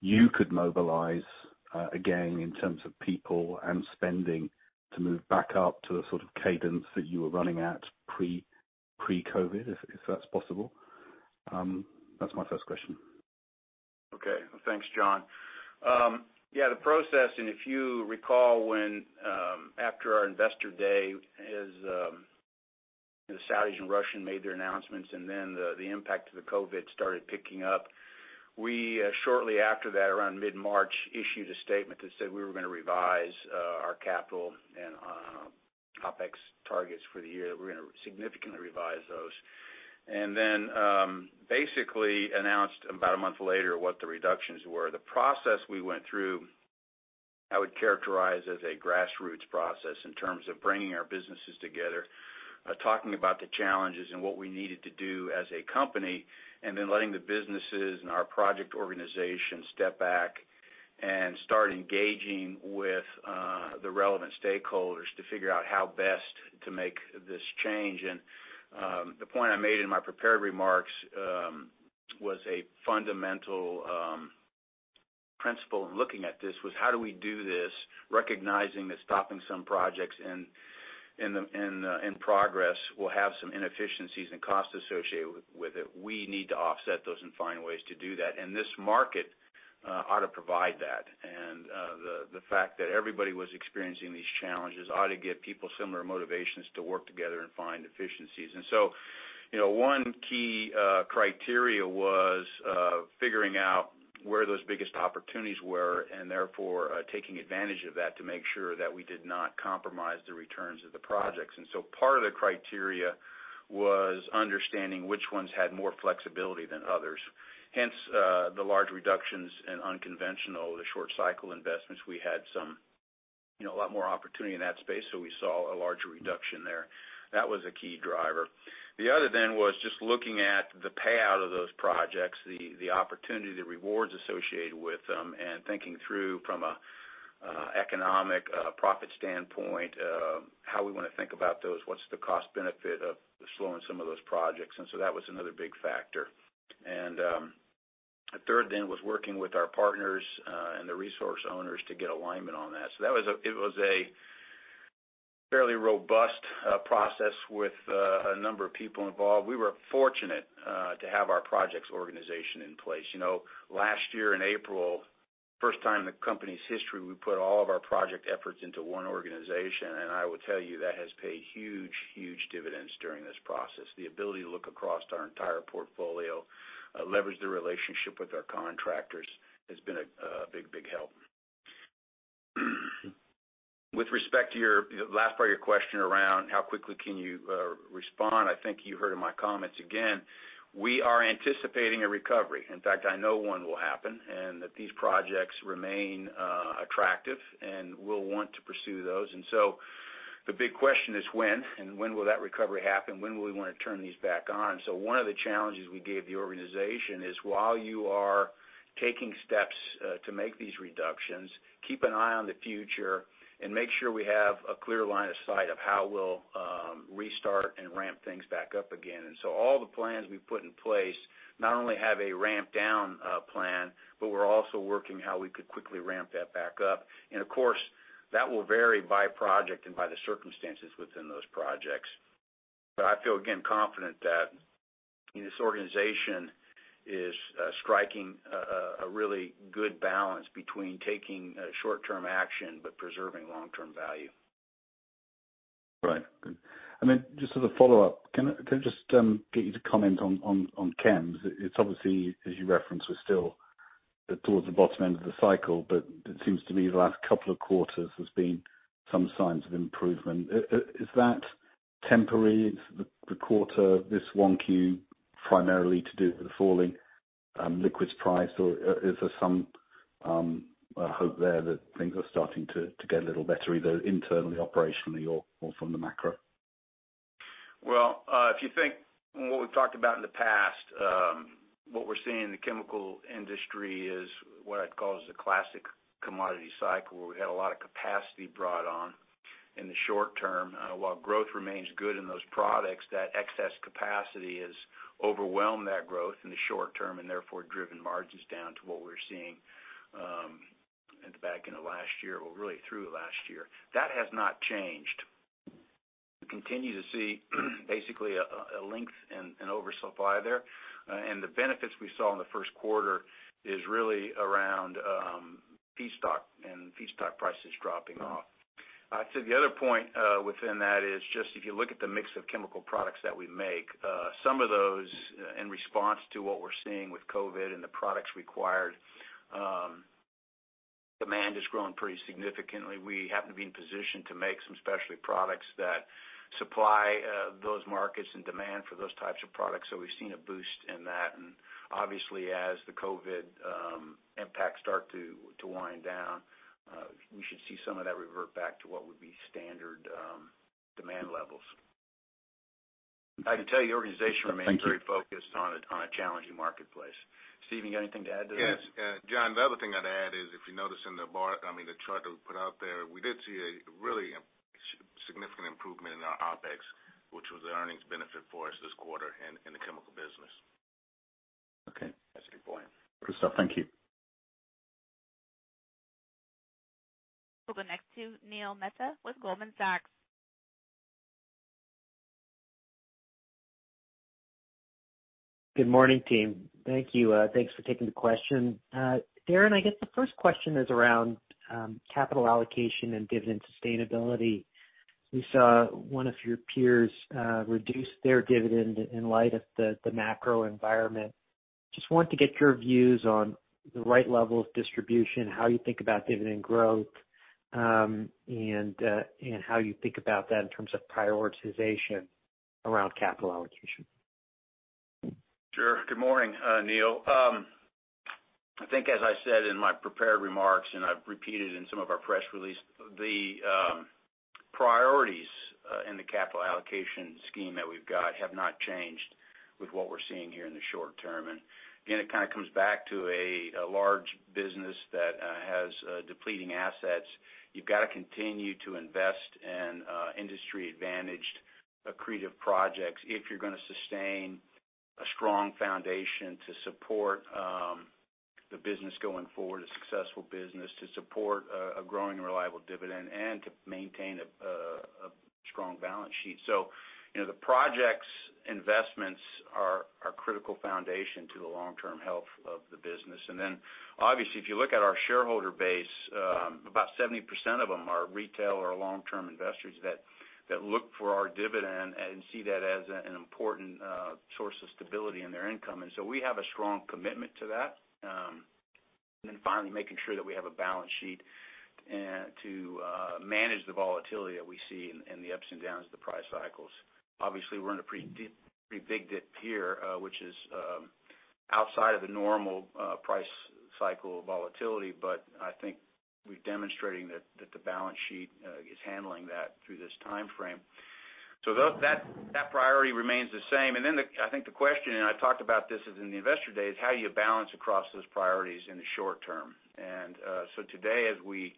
you could mobilize again in terms of people and spending to move back up to the sort of cadence that you were running at pre-COVID, if that's possible. That's my first question. Okay. Well, thanks, Jon. Yeah, the process, if you recall when after our Investor Day, as the Saudis and Russian made their announcements and then the impact of the COVID started picking up. We, shortly after that, around mid-March, issued a statement that said we were going to revise our capital and OpEx targets for the year, that we're going to significantly revise those. Basically announced about a month later what the reductions were. The process we went through, I would characterize as a grassroots process in terms of bringing our businesses together, talking about the challenges and what we needed to do as a company, and then letting the businesses and our project organization step back and start engaging with the relevant stakeholders to figure out how best to make this change. The point I made in my prepared remarks was a fundamental principle in looking at this was how do we do this, recognizing that stopping some projects in progress will have some inefficiencies and costs associated with it. We need to offset those and find ways to do that. This market ought to provide that. The fact that everybody was experiencing these challenges ought to give people similar motivations to work together and find efficiencies. One key criteria was figuring out where those biggest opportunities were, and therefore, taking advantage of that to make sure that we did not compromise the returns of the projects. Part of the criteria was understanding which ones had more flexibility than others, hence the large reductions in unconventional, the short-cycle investments. We had a lot more opportunity in that space, so we saw a larger reduction there. That was a key driver. The other was just looking at the payout of those projects, the opportunity, the rewards associated with them, and thinking through from an economic profit standpoint, how we want to think about those, what's the cost benefit of slowing some of those projects. That was another big factor. The third was working with our partners and the resource owners to get alignment on that. It was a fairly robust process with a number of people involved. We were fortunate to have our projects organization in place. Last year in April, first time in the company's history, we put all of our project efforts into one organization. I will tell you, that has paid huge dividends during this process. The ability to look across our entire portfolio, leverage the relationship with our contractors, has been a big help. With respect to your last part of your question around how quickly can you respond, I think you heard in my comments, again, we are anticipating a recovery. In fact, I know one will happen, and that these projects remain attractive and we'll want to pursue those. The big question is when, and when will that recovery happen? When will we want to turn these back on? One of the challenges we gave the organization is while you are taking steps to make these reductions, keep an eye on the future and make sure we have a clear line of sight of how we'll restart and ramp things back up again. All the plans we've put in place not only have a ramp-down plan, but we're also working how we could quickly ramp that back up. Of course, that will vary by project and by the circumstances within those projects. I feel, again, confident that this organization is striking a really good balance between taking short-term action but preserving long-term value. Right. Good. Just as a follow-up, can I just get you to comment on chems? It's obviously, as you referenced, we're still towards the bottom end of the cycle, but it seems to me the last couple of quarters there's been some signs of improvement. Is that temporary? Is the quarter, this one Q, primarily to do with the falling liquids price? Is there some hope there that things are starting to get a little better, either internally, operationally, or from the macro? Well, if you think what we've talked about in the past, what we're seeing in the chemical industry is what I'd call is the classic commodity cycle, where we had a lot of capacity brought on in the short term. While growth remains good in those products, that excess capacity has overwhelmed that growth in the short term and therefore driven margins down to what we're seeing back in the last year, or really through last year. That has not changed. We continue to see basically a length in oversupply there. The benefits we saw in the first quarter is really around feedstock and feedstock prices dropping off. I'd say the other point within that is just if you look at the mix of chemical products that we make, some of those, in response to what we're seeing with COVID and the products required, demand has grown pretty significantly. We happen to be in position to make some specialty products that supply those markets and demand for those types of products, so we've seen a boost in that. Obviously as the COVID impacts start to wind down, we should see some of that revert back to what would be standard demand levels. I can tell you, the organization remains- Thank you. Very focused on a challenging marketplace. Stephen, you got anything to add to that? Yes. Jon, the other thing I'd add is, if you notice in the chart that we put out there, we did see a really significant improvement in our OpEx, which was the earnings benefit for us this quarter in the chemical business. Okay. That's a good point. thank you. We'll go next to Neil Mehta with Goldman Sachs. Good morning, team. Thank you. Thanks for taking the question. Darren, I guess the first question is around capital allocation and dividend sustainability. We saw one of your peers reduce their dividend in light of the macro environment. Just want to get your views on the right level of distribution, how you think about dividend growth, and how you think about that in terms of prioritization around capital allocation? Sure. Good morning, Neil. I think as I said in my prepared remarks, I've repeated in some of our press release, the priorities in the capital allocation scheme that we've got have not changed with what we're seeing here in the short term. Again, it kind of comes back to a large business that has depleting assets. You've got to continue to invest in industry-advantaged accretive projects if you're going to sustain a strong foundation to support the business going forward, a successful business, to support a growing reliable dividend, and to maintain a strong balance sheet. The projects investments are a critical foundation to the long-term health of the business. Obviously, if you look at our shareholder base, about 70% of them are retail or long-term investors that look for our dividend and see that as an important source of stability in their income. We have a strong commitment to that. Finally, making sure that we have a balance sheet to manage the volatility that we see and the ups and downs of the price cycles. Obviously, we're in a pretty big dip here, which is outside of the normal price cycle volatility, but I think we're demonstrating that the balance sheet is handling that through this timeframe. That priority remains the same. I think the question, and I talked about this in the Investor Day, is how do you balance across those priorities in the short term? Today, as we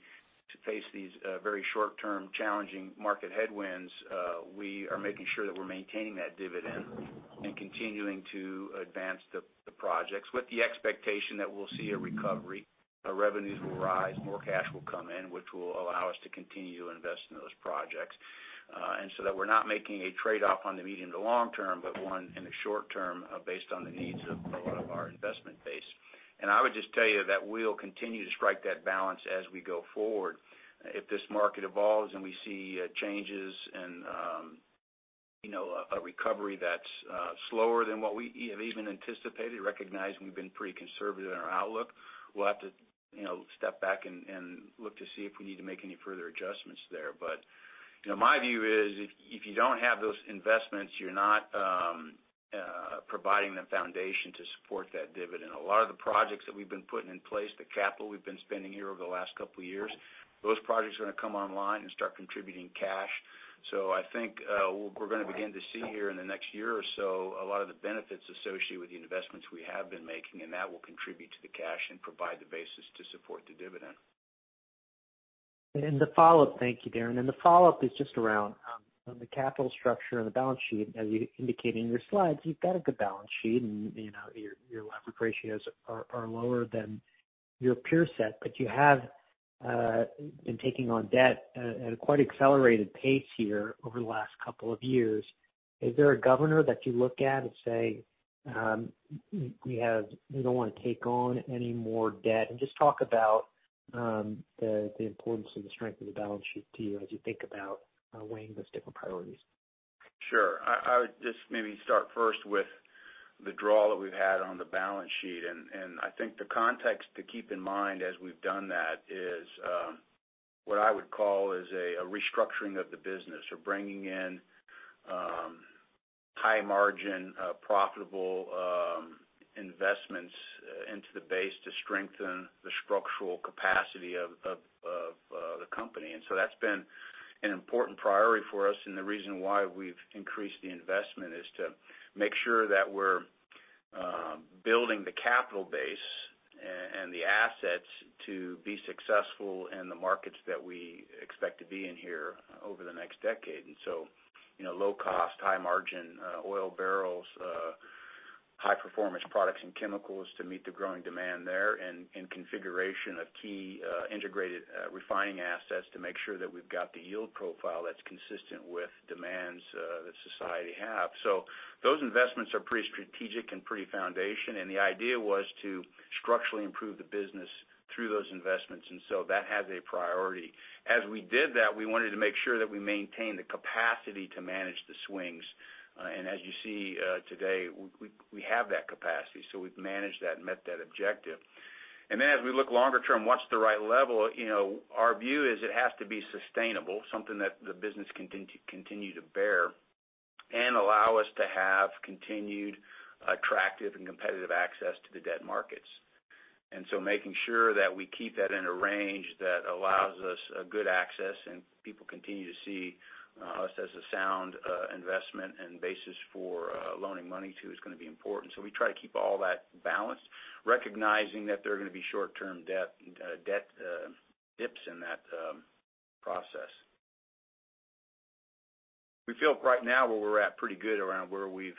face these very short-term challenging market headwinds, we are making sure that we're maintaining that dividend and continuing to advance the projects with the expectation that we'll see a recovery, our revenues will rise, more cash will come in, which will allow us to continue to invest in those projects. That we're not making a trade-off on the medium to long term, but one in the short term, based on the needs of a lot of our investment base. I would just tell you that we'll continue to strike that balance as we go forward. If this market evolves and we see changes and a recovery that's slower than what we have even anticipated, recognizing we've been pretty conservative in our outlook, we'll have to step back and look to see if we need to make any further adjustments there. My view is if you don't have those investments, you're not providing the foundation to support that dividend. A lot of the projects that we've been putting in place, the capital we've been spending here over the last couple of years, those projects are going to come online and start contributing cash. I think what we're going to begin to see here in the next year or so, a lot of the benefits associated with the investments we have been making, and that will contribute to the cash and provide the basis to support the dividend. Thank you, Darren. The follow-up is just around on the capital structure and the balance sheet. As you indicate in your slides, you've got a good balance sheet, and your leverage ratios are lower than your peer set, but you have been taking on debt at a quite accelerated pace here over the last couple of years. Is there a governor that you look at and say, "We don't want to take on any more debt"? Just talk about the importance and the strength of the balance sheet to you as you think about weighing those different priorities. Sure. I would just maybe start first with the draw that we've had on the balance sheet, and I think the context to keep in mind as we've done that is what I would call is a restructuring of the business. We're bringing in high margin, profitable investments into the base to strengthen the structural capacity of the company. That's been an important priority for us, and the reason why we've increased the investment is to make sure that we're building the capital base and the assets to be successful in the markets that we expect to be in here over the next decade. Low cost, high margin oil barrels, high performance products and chemicals to meet the growing demand there, and configuration of key integrated refining assets to make sure that we've got the yield profile that's consistent with demands that society have. Those investments are pretty strategic and pretty foundation, and the idea was to structurally improve the business through those investments, that has a priority. As we did that, we wanted to make sure that we maintain the capacity to manage the swings. As you see today, we have that capacity. We've managed that and met that objective. As we look longer term, what's the right level? Our view is it has to be sustainable, something that the business can continue to bear and allow us to have continued attractive and competitive access to the debt markets. Making sure that we keep that in a range that allows us a good access and people continue to see us as a sound investment and basis for loaning money to is going to be important. We try to keep all that balanced, recognizing that there are going to be short-term debt dips in that process. We feel right now where we're at pretty good around where we've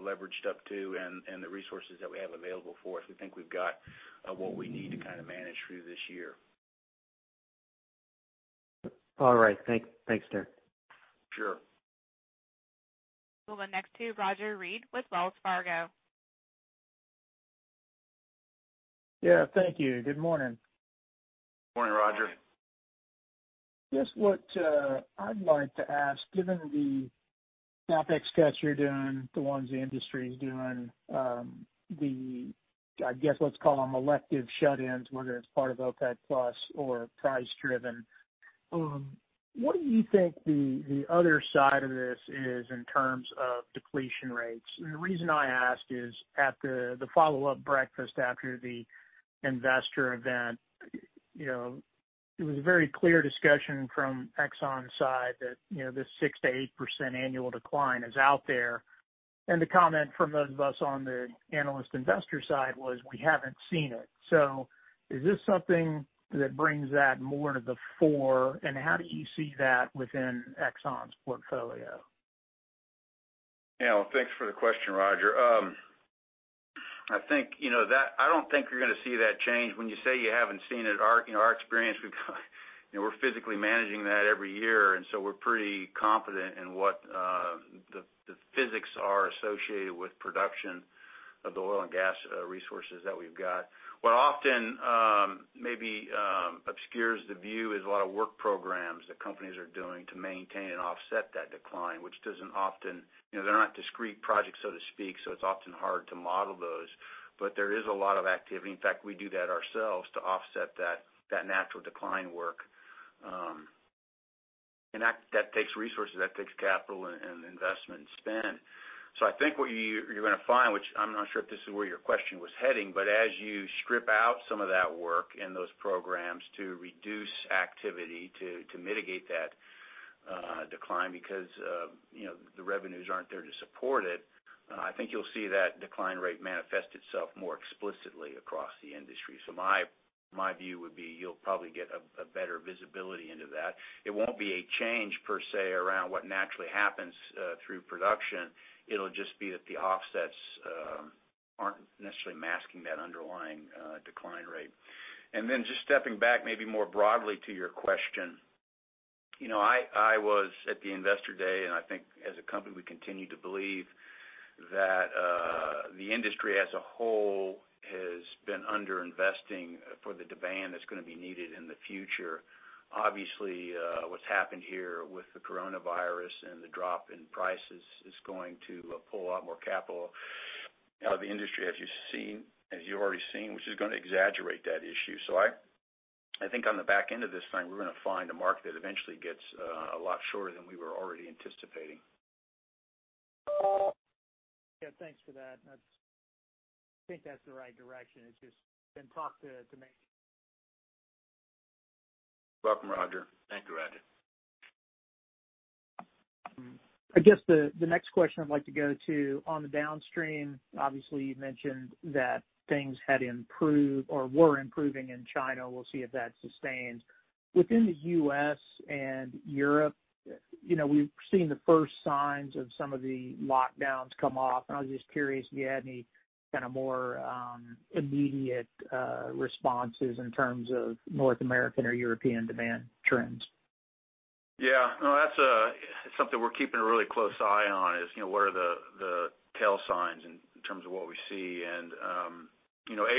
leveraged up to and the resources that we have available for us. We think we've got what we need to kind of manage through this year. All right. Thanks, Darren. Sure. We'll go next to Roger Read with Wells Fargo. Yeah, thank you. Good morning. Morning, Roger. Guess what I'd like to ask, given the CapEx cuts you're doing, the ones the industry's doing, I guess let's call them elective shut-ins, whether it's part of OPEC+ or price-driven, what do you think the other side of this is in terms of depletion rates? The reason I ask is at the follow-up breakfast after the investor event, it was a very clear discussion from Exxon's side that this 6%-8% annual decline is out there. The comment from those of us on the analyst investor side was, we haven't seen it. Is this something that brings that more to the fore, and how do you see that within Exxon's portfolio? Yeah. Well, thanks for the question, Roger. I don't think you're going to see that change. When you say you haven't seen it, in our experience, we're physically managing that every year, and so we're pretty confident in what the physics are associated with production of the oil and gas resources that we've got. What often maybe obscures the view is a lot of work programs that companies are doing to maintain and offset that decline, which they're not discrete projects, so to speak, so it's often hard to model those. There is a lot of activity. In fact, we do that ourselves to offset that natural decline work. That takes resources, that takes capital and investment spend. I think what you're going to find, which I'm not sure if this is where your question was heading, but as you strip out some of that work and those programs to reduce activity to mitigate that decline because the revenues aren't there to support it, I think you'll see that decline rate manifest itself more explicitly across the industry. My view would be you'll probably get a better visibility into that. It won't be a change per se, around what naturally happens through production. It'll just be that the offsets aren't necessarily masking that underlying decline rate. Then just stepping back maybe more broadly to your question. I was at the Investor Day, and I think as a company, we continue to believe that the industry as a whole has been under-investing for the demand that's going to be needed in the future. Obviously, what's happened here with the coronavirus and the drop in prices is going to pull a lot more capital out of the industry, as you've already seen, which is going to exaggerate that issue. I think on the back end of this thing, we're going to find a market that eventually gets a lot shorter than we were already anticipating. Yeah, thanks for that. I think that's the right direction. It's just been tough to make. You're welcome, Roger. Thank you, Roger. I guess the next question I'd like to go to on the downstream, obviously, you mentioned that things had improved or were improving in China. We'll see if that sustains. Within the U.S. and Europe, we've seen the first signs of some of the lockdowns come off, and I was just curious if you had any kind of more immediate responses in terms of North American or European demand trends. Yeah. No, that's something we're keeping a really close eye on is what are the tell signs in terms of what we see.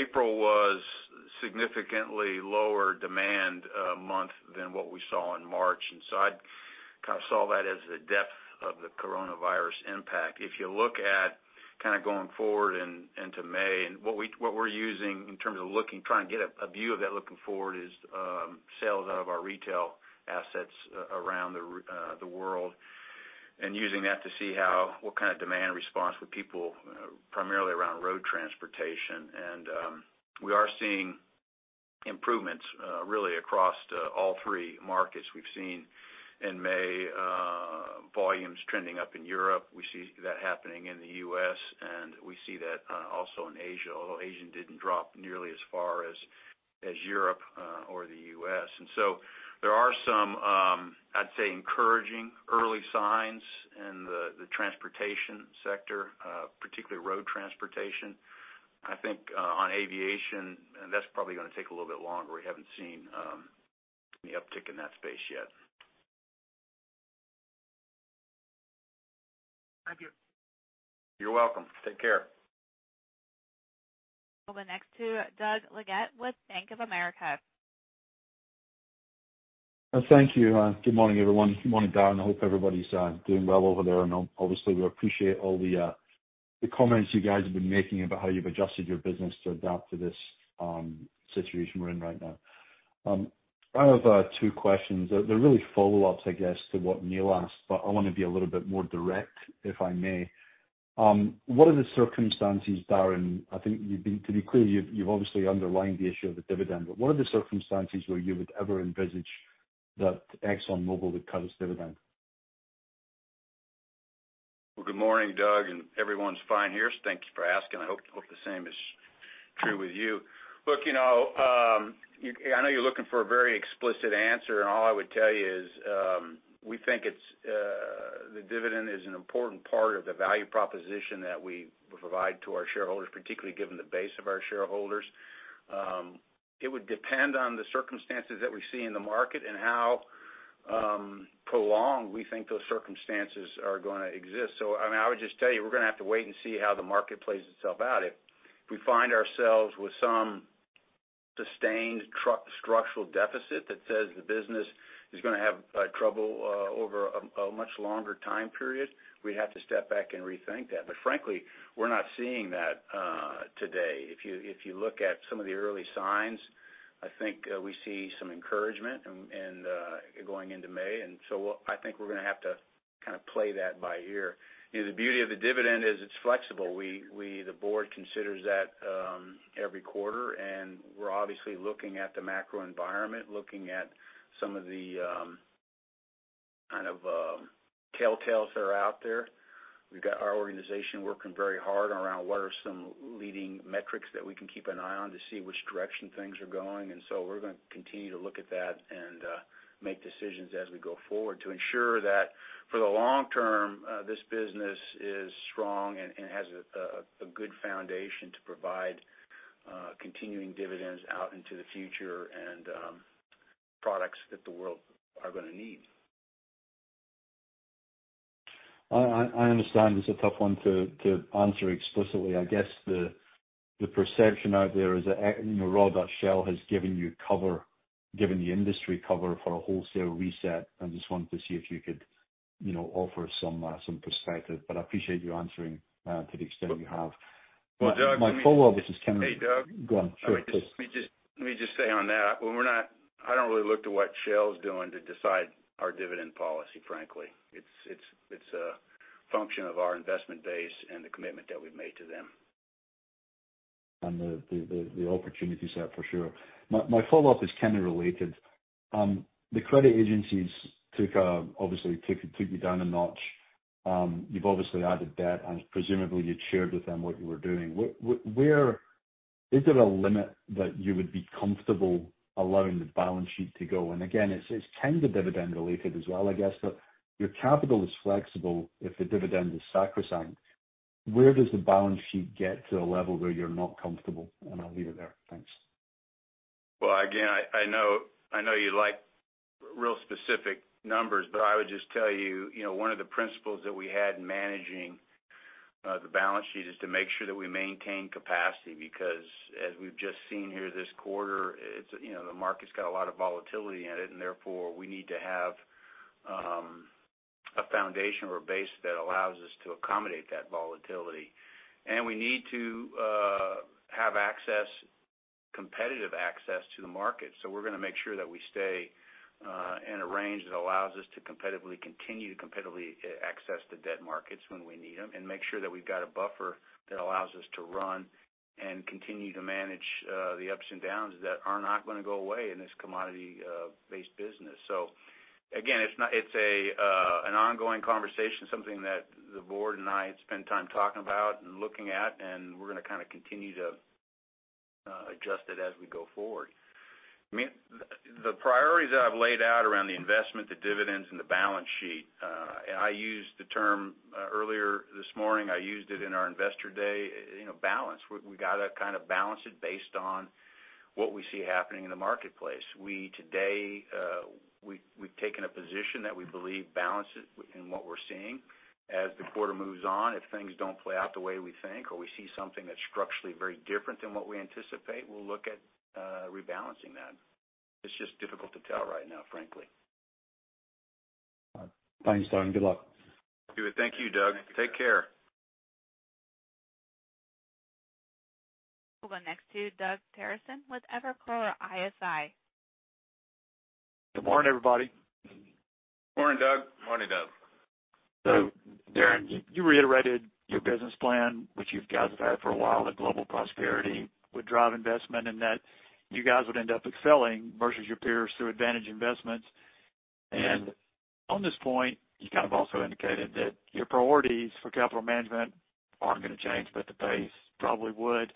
April was significantly lower demand month than what we saw in March. I'd kind of saw that as the depth of the coronavirus impact. If you look at kind of going forward into May, and what we're using in terms of trying to get a view of that looking forward is sales out of our retail assets around the world, and using that to see what kind of demand response with people primarily around road transportation. We are seeing improvements really across all three markets. We've seen in May volumes trending up in Europe. We see that happening in the U.S., and we see that also in Asia, although Asia didn't drop nearly as far as Europe or the U.S. There are some, I'd say, encouraging early signs in the transportation sector, particularly road transportation. I think on aviation, that's probably going to take a little bit longer. We haven't seen any uptick in that space yet. Thank you. You're welcome. Take care. We'll go next to Doug Leggate with Bank of America. Thank you. Good morning, everyone. Good morning, Darren. I hope everybody's doing well over there, and obviously, we appreciate all the comments you guys have been making about how you've adjusted your business to adapt to this situation we're in right now. I have two questions. They're really follow-ups, I guess, to what Neil asked, but I want to be a little bit more direct, if I may. What are the circumstances, Darren, I think to be clear, you've obviously underlined the issue of the dividend, but what are the circumstances where you would ever envisage that ExxonMobil would cut its dividend? Well, good morning, Doug, everyone's fine here, so thank you for asking. I hope the same is true with you. Look, I know you're looking for a very explicit answer, and all I would tell you is, we think the dividend is an important part of the value proposition that we provide to our shareholders, particularly given the base of our shareholders. It would depend on the circumstances that we see in the market and how prolonged we think those circumstances are going to exist. I would just tell you, we're going to have to wait and see how the market plays itself out. If we find ourselves with some sustained structural deficit that says the business is going to have trouble over a much longer time period, we'd have to step back and rethink that. Frankly, we're not seeing that today. If you look at some of the early signs, I think we see some encouragement going into May. I think we're going to have to kind of play that by ear. The beauty of the dividend is it's flexible. The board considers that every quarter, and we're obviously looking at the macro environment, looking at some of the kind of telltales that are out there. We've got our organization working very hard around what are some leading metrics that we can keep an eye on to see which direction things are going. We're going to continue to look at that and make decisions as we go forward to ensure that for the long term, this business is strong and has a good foundation to provide continuing dividends out into the future and products that the world are going to need. I understand it's a tough one to answer explicitly. I guess the perception out there is that Royal Dutch Shell has given you cover, given the industry cover for a wholesale reset. I just wanted to see if you could offer some perspective, but I appreciate you answering to the extent you have. Well, Doug. My follow-up is kind of- Hey, Doug. Go on. Sure, please. Let me just say on that, I don't really look to what Shell's doing to decide our dividend policy, frankly. It's a function of our investment base and the commitment that we've made to them. The opportunities there, for sure. My follow-up is kind of related. The credit agencies obviously took you down a notch. You've obviously added debt, presumably, you'd shared with them what you were doing. Is there a limit that you would be comfortable allowing the balance sheet to go? Again, it's kind of dividend related as well, I guess. Your capital is flexible if the dividend is sacrosanct. Where does the balance sheet get to a level where you're not comfortable? I'll leave it there. Thanks. Again, I know you like real specific numbers, but I would just tell you, one of the principles that we had in managing the balance sheet is to make sure that we maintain capacity. As we've just seen here this quarter, the market's got a lot of volatility in it, and therefore, we need to have a foundation or a base that allows us to accommodate that volatility. We need to have competitive access to the market. We're going to make sure that we stay in a range that allows us to continue to competitively access the debt markets when we need them and make sure that we've got a buffer that allows us to run and continue to manage the ups and downs that are not going to go away in this commodity-based business. Again, it's an ongoing conversation, something that the board and I spend time talking about and looking at, and we're going to kind of continue to adjust it as we go forward. The priorities that I've laid out around the investment, the dividends, and the balance sheet, I used the term earlier this morning, I used it in our Investor Day, balance. We've got to kind of balance it based on what we see happening in the marketplace. Today, we've taken a position that we believe balances in what we're seeing. As the quarter moves on, if things don't play out the way we think or we see something that's structurally very different than what we anticipate, we'll look at rebalancing that. It's just difficult to tell right now, frankly. Thanks, Darren. Good luck. Thank you, Doug. Take care. We'll go next to Doug Terreson with Evercore ISI. Good morning, everybody. Morning, Doug. Morning, Doug. Darren, you reiterated your business plan, which you guys have had for a while, that global prosperity would drive investment and that you guys would end up excelling versus your peers through advantage investments. On this point, you kind of also indicated that your priorities for capital management aren't going to change, but the pace probably would.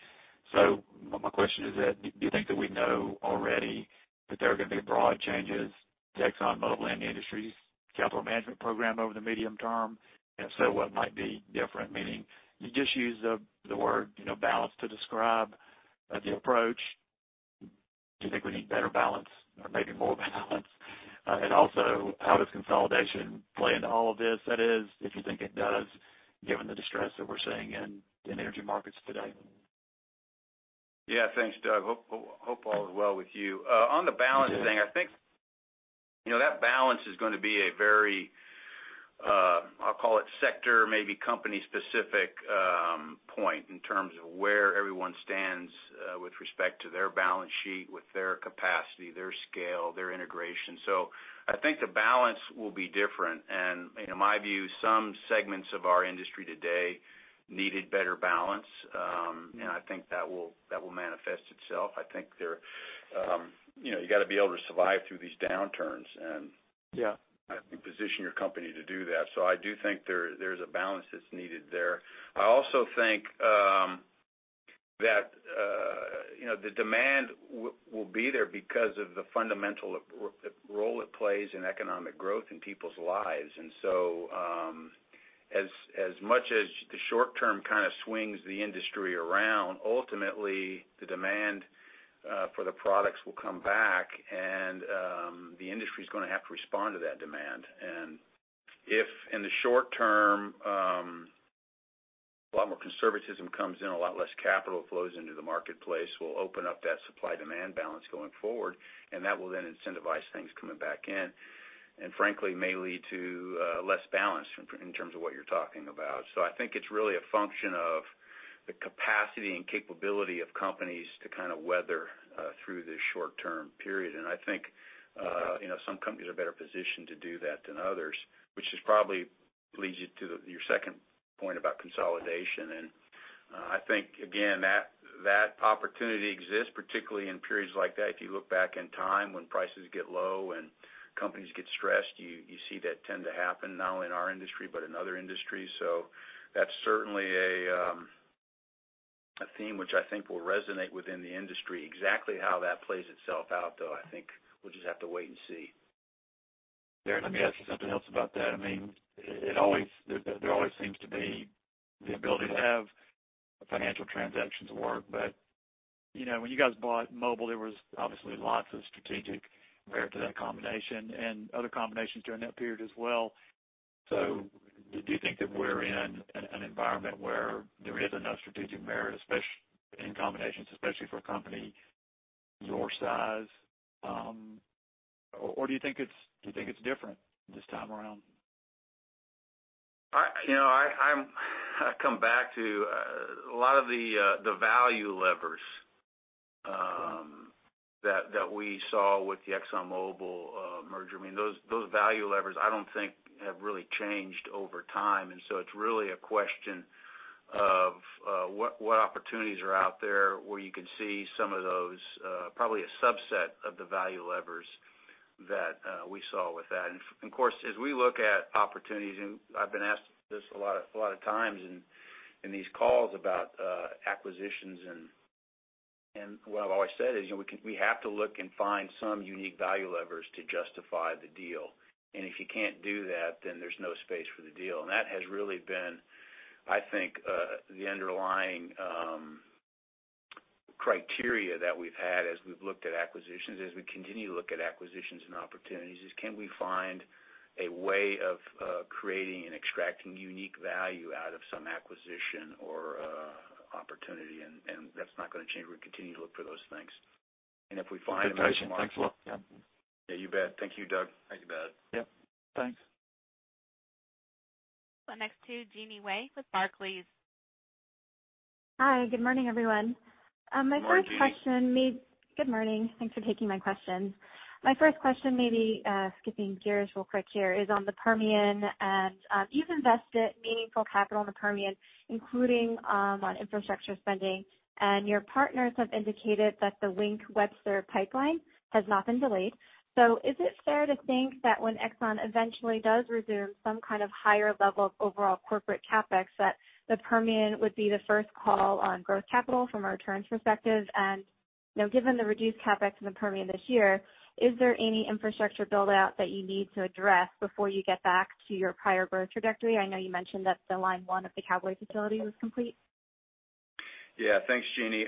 My question is that, do you think that we know already that there are going to be broad changes to Exxon Mobil and the industry's capital management program over the medium term? If so, what might be different? Meaning, you just used the word balance to describe the approach. Do you think we need better balance or maybe more balance? Also, how does consolidation play into all of this? That is, if you think it does, given the distress that we're seeing in energy markets today. Yeah. Thanks, Doug. Hope all is well with you. On the balance thing, I think that balance is going to be a very, I'll call it sector, maybe company specific point in terms of where everyone stands with respect to their balance sheet, with their capacity, their scale, their integration. I think the balance will be different. In my view, some segments of our industry today needed better balance. I think that will manifest itself. I think you've got to be able to survive through these downturns. Yeah. I think position your company to do that. I do think there's a balance that's needed there. I also think that the demand will be there because of the fundamental role it plays in economic growth in people's lives. As much as the short term kind of swings the industry around, ultimately the demand for the products will come back and the industry's going to have to respond to that demand. If in the short term, a lot more conservatism comes in, a lot less capital flows into the marketplace, we'll open up that supply-demand balance going forward, and that will then incentivize things coming back in. Frankly, may lead to less balance in terms of what you're talking about. I think it's really a function of the capacity and capability of companies to kind of weather through this short-term period. I think some companies are better positioned to do that than others, which probably leads you to your second point about consolidation. I think, again, that opportunity exists, particularly in periods like that. If you look back in time when prices get low and companies get stressed, you see that tend to happen, not only in our industry but in other industries. That's certainly a theme which I think will resonate within the industry. Exactly how that plays itself out, though, I think we'll just have to wait and see. Darren, let me ask you something else about that. There always seems to be the ability to have financial transactions work, but when you guys bought Mobil, there was obviously lots of strategic merit to that combination and other combinations during that period as well. Do you think that we're in an environment where there is enough strategic merit, in combinations especially for a company your size? Do you think it's different this time around? I come back to a lot of the value levers that we saw with the ExxonMobil merger. Those value levers I don't think have really changed over time. So it's really a question of what opportunities are out there where you can see some of those, probably a subset of the value levers that we saw with that. Of course, as we look at opportunities, and I've been asked this a lot of times in these calls about acquisitions, and what I've always said is we have to look and find some unique value levers to justify the deal. If you can't do that, then there's no space for the deal. That has really been, I think, the underlying criteria that we've had as we've looked at acquisitions, as we continue to look at acquisitions and opportunities, is can we find a way of creating and extracting unique value out of some acquisition or opportunity? That's not going to change. We're going to continue to look for those things. Thanks a lot. Yeah. Yeah, you bet. Thank you, Doug. Thank you, bud. Yep. Thanks. Well, next to Jeanine Wai with Barclays. Hi, good morning, everyone. Good morning. Good morning. Thanks for taking my questions. My first question, maybe skipping gears real quick here, is on the Permian. You've invested meaningful capital in the Permian, including on infrastructure spending. Your partners have indicated that the Wink to Webster pipeline has not been delayed. Is it fair to think that when Exxon eventually does resume some kind of higher level of overall corporate CapEx, that the Permian would be the first call on growth capital from a returns perspective? Given the reduced CapEx in the Permian this year, is there any infrastructure build-out that you need to address before you get back to your prior growth trajectory? I know you mentioned that the line one of the Cowboy facility was complete. Yeah, thanks, Jeanine.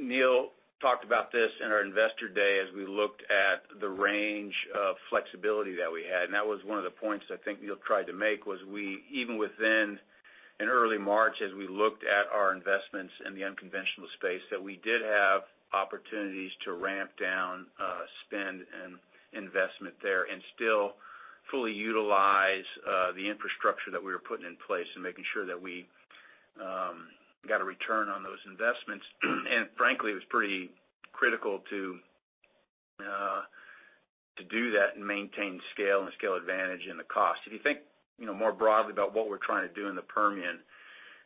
Neil talked about this in our Investor Day as we looked at the range of flexibility that we had. That was one of the points I think Neil tried to make was we, even within early March, as we looked at our investments in the unconventional space, that we did have opportunities to ramp down spend and investment there and still fully utilize the infrastructure that we were putting in place and making sure that we got a return on those investments. Frankly, it was pretty critical to do that and maintain scale and scale advantage in the cost. If you think more broadly about what we're trying to do in the Permian,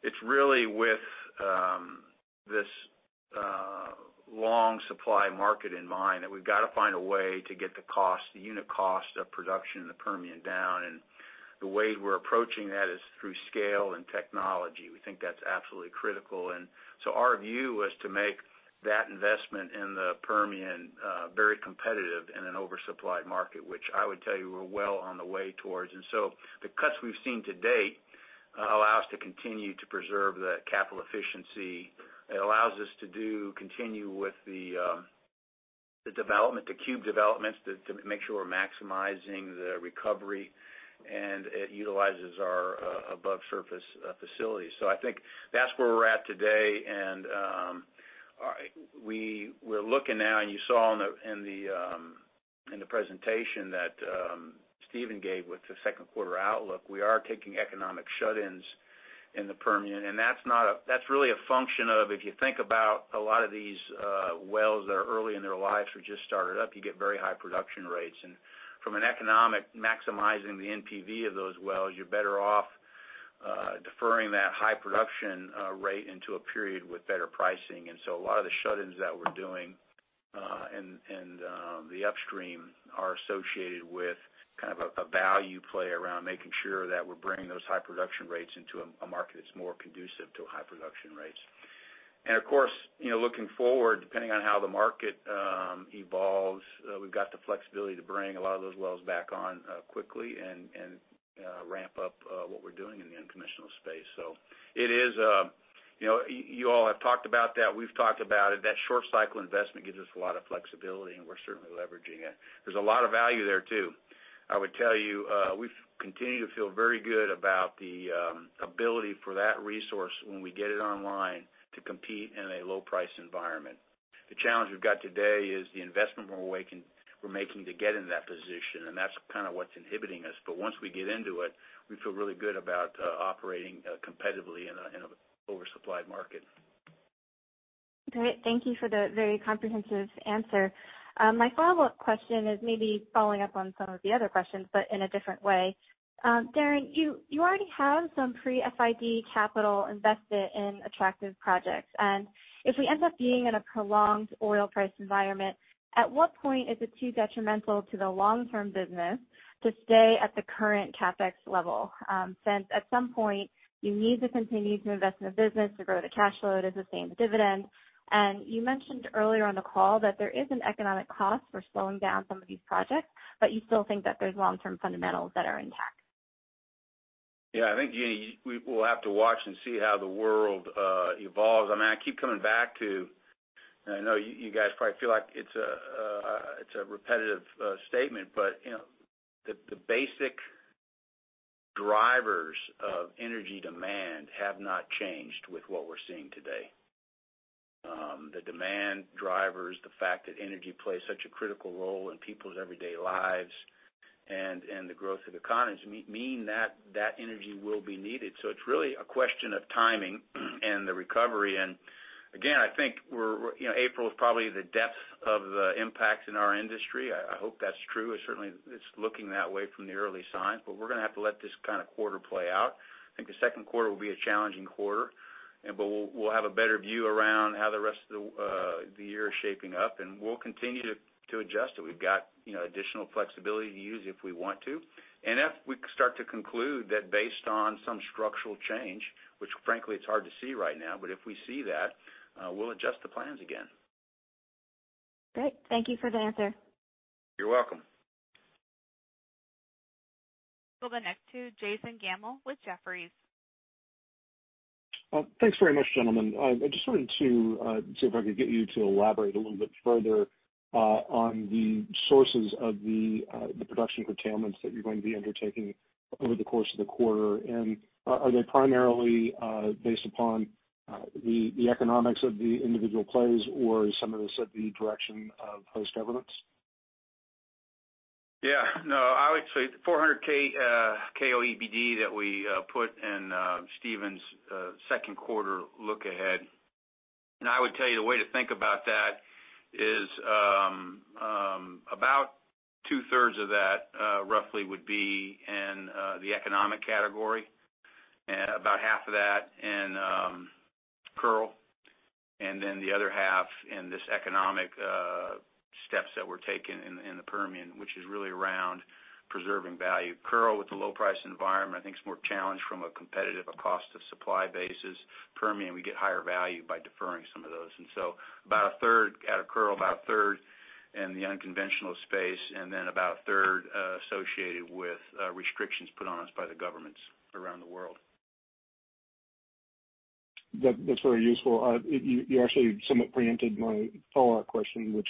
it's really with this long supply market in mind that we've got to find a way to get the unit cost of production in the Permian down. The way we're approaching that is through scale and technology. We think that's absolutely critical. Our view was to make that investment in the Permian very competitive in an oversupplied market, which I would tell you we're well on the way towards. The cuts we've seen to date allow us to continue to preserve the capital efficiency. It allows us to continue with the cube developments to make sure we're maximizing the recovery, and it utilizes our above-surface facilities. I think that's where we're at today. We're looking now, and you saw in the presentation that Stephen gave with the second quarter outlook, we are taking economic shut-ins in the Permian. That's really a function of, if you think about a lot of these wells that are early in their lives or just started up, you get very high production rates. From an economic maximizing the NPV of those wells, you're better off deferring that high production rate into a period with better pricing. A lot of the shut-ins that we're doing in the upstream are associated with kind of a value play around making sure that we're bringing those high production rates into a market that's more conducive to high production rates. Of course, looking forward, depending on how the market evolves, we've got the flexibility to bring a lot of those wells back on quickly and ramp up what we're doing in the unconventional space. You all have talked about that, we've talked about it. That short-cycle investment gives us a lot of flexibility, and we're certainly leveraging it. There's a lot of value there, too. I would tell you, we continue to feel very good about the ability for that resource when we get it online to compete in a low-price environment. The challenge we've got today is the investment we're making to get in that position, and that's kind of what's inhibiting us. Once we get into it, we feel really good about operating competitively in an oversupplied market. Great. Thank you for the very comprehensive answer. My follow-up question is maybe following up on some of the other questions, but in a different way. Darren, you already have some pre-FID capital invested in attractive projects, and if we end up being in a prolonged oil price environment, at what point is it too detrimental to the long-term business to stay at the current CapEx level? Since at some point you need to continue to invest in the business to grow the cash load, as you're saying, the dividend. You mentioned earlier on the call that there is an economic cost for slowing down some of these projects, but you still think that there's long-term fundamentals that are intact. I think, Jeanine, we'll have to watch and see how the world evolves. I keep coming back to, and I know you guys probably feel like it's a repetitive statement, but the basic drivers of energy demand have not changed with what we're seeing today. The demand drivers, the fact that energy plays such a critical role in people's everyday lives and the growth of economies mean that that energy will be needed. It's really a question of timing and the recovery. Again, I think April is probably the depth of the impact in our industry. I hope that's true. Certainly, it's looking that way from the early signs, but we're going to have to let this kind of quarter play out. I think the second quarter will be a challenging quarter, but we'll have a better view around how the rest of the year is shaping up, and we'll continue to adjust it. We've got additional flexibility to use if we want to. If we start to conclude that based on some structural change, which frankly, it's hard to see right now, but if we see that, we'll adjust the plans again. Great. Thank you for the answer. You're welcome. We'll go next to Jason Gammel with Jefferies. Thanks very much, gentlemen. I just wanted to see if I could get you to elaborate a little bit further on the sources of the production curtailments that you're going to be undertaking over the course of the quarter. Are they primarily based upon the economics of the individual plays, or is some of this at the direction of host governments? Yeah, I would say the 400,000 KOEBD that we put in Stephen's second quarter look-ahead. I would tell you the way to think about that is about two-thirds of that roughly would be in the economic category, about half of that in Kearl, and the other half in this economic steps that were taken in the Permian, which is really around preserving value. Kearl, with the low-price environment, I think is more challenged from a competitive, a cost of supply basis. Permian, we get higher value by deferring some of those. About 1/3 out of Kearl, about 1/3 in the unconventional space, and about 1/3 associated with restrictions put on us by the governments around the world. That's very useful. You actually somewhat preempted my follow-up question, which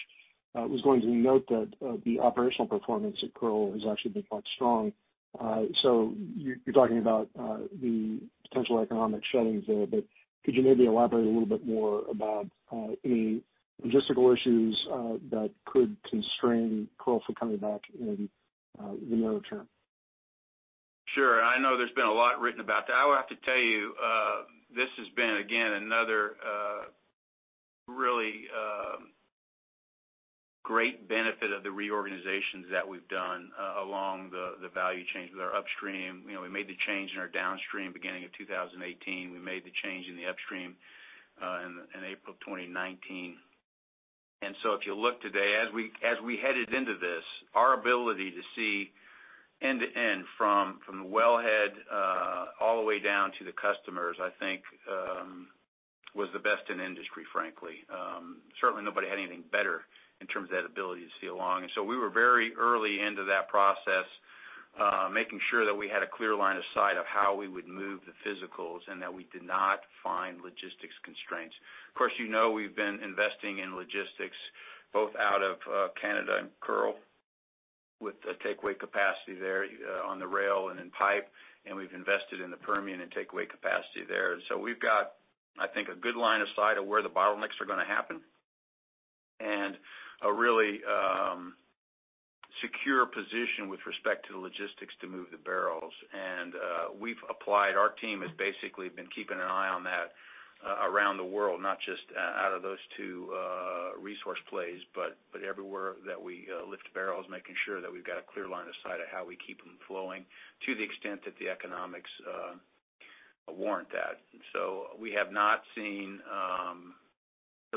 was going to note that the operational performance at Kearl has actually been quite strong. You're talking about the potential economic shedding there, but could you maybe elaborate a little bit more about any logistical issues that could constrain Kearl from coming back in the nearer term? Sure. I know there's been a lot written about that. I will have to tell you, this has been again, another really great benefit of the reorganizations that we've done along the value chain with our upstream. We made the change in our downstream beginning of 2018. We made the change in the upstream in April 2019. If you look today, as we headed into this, our ability to see end-to-end from the wellhead all the way down to the customers, I think was the best in industry, frankly. Certainly, nobody had anything better in terms of that ability to see along. We were very early into that process, making sure that we had a clear line of sight of how we would move the physicals and that we did not find logistics constraints. Of course, you know we've been investing in logistics both out of Canada and Kearl with the takeaway capacity there on the rail and in pipe, and we've invested in the Permian and takeaway capacity there. We've got, I think, a good line of sight of where the bottlenecks are going to happen and a really secure position with respect to the logistics to move the barrels. Our team has basically been keeping an eye on that around the world, not just out of those two resource plays, but everywhere that we lift barrels, making sure that we've got a clear line of sight of how we keep them flowing to the extent that the economics warrant that. We have not seen the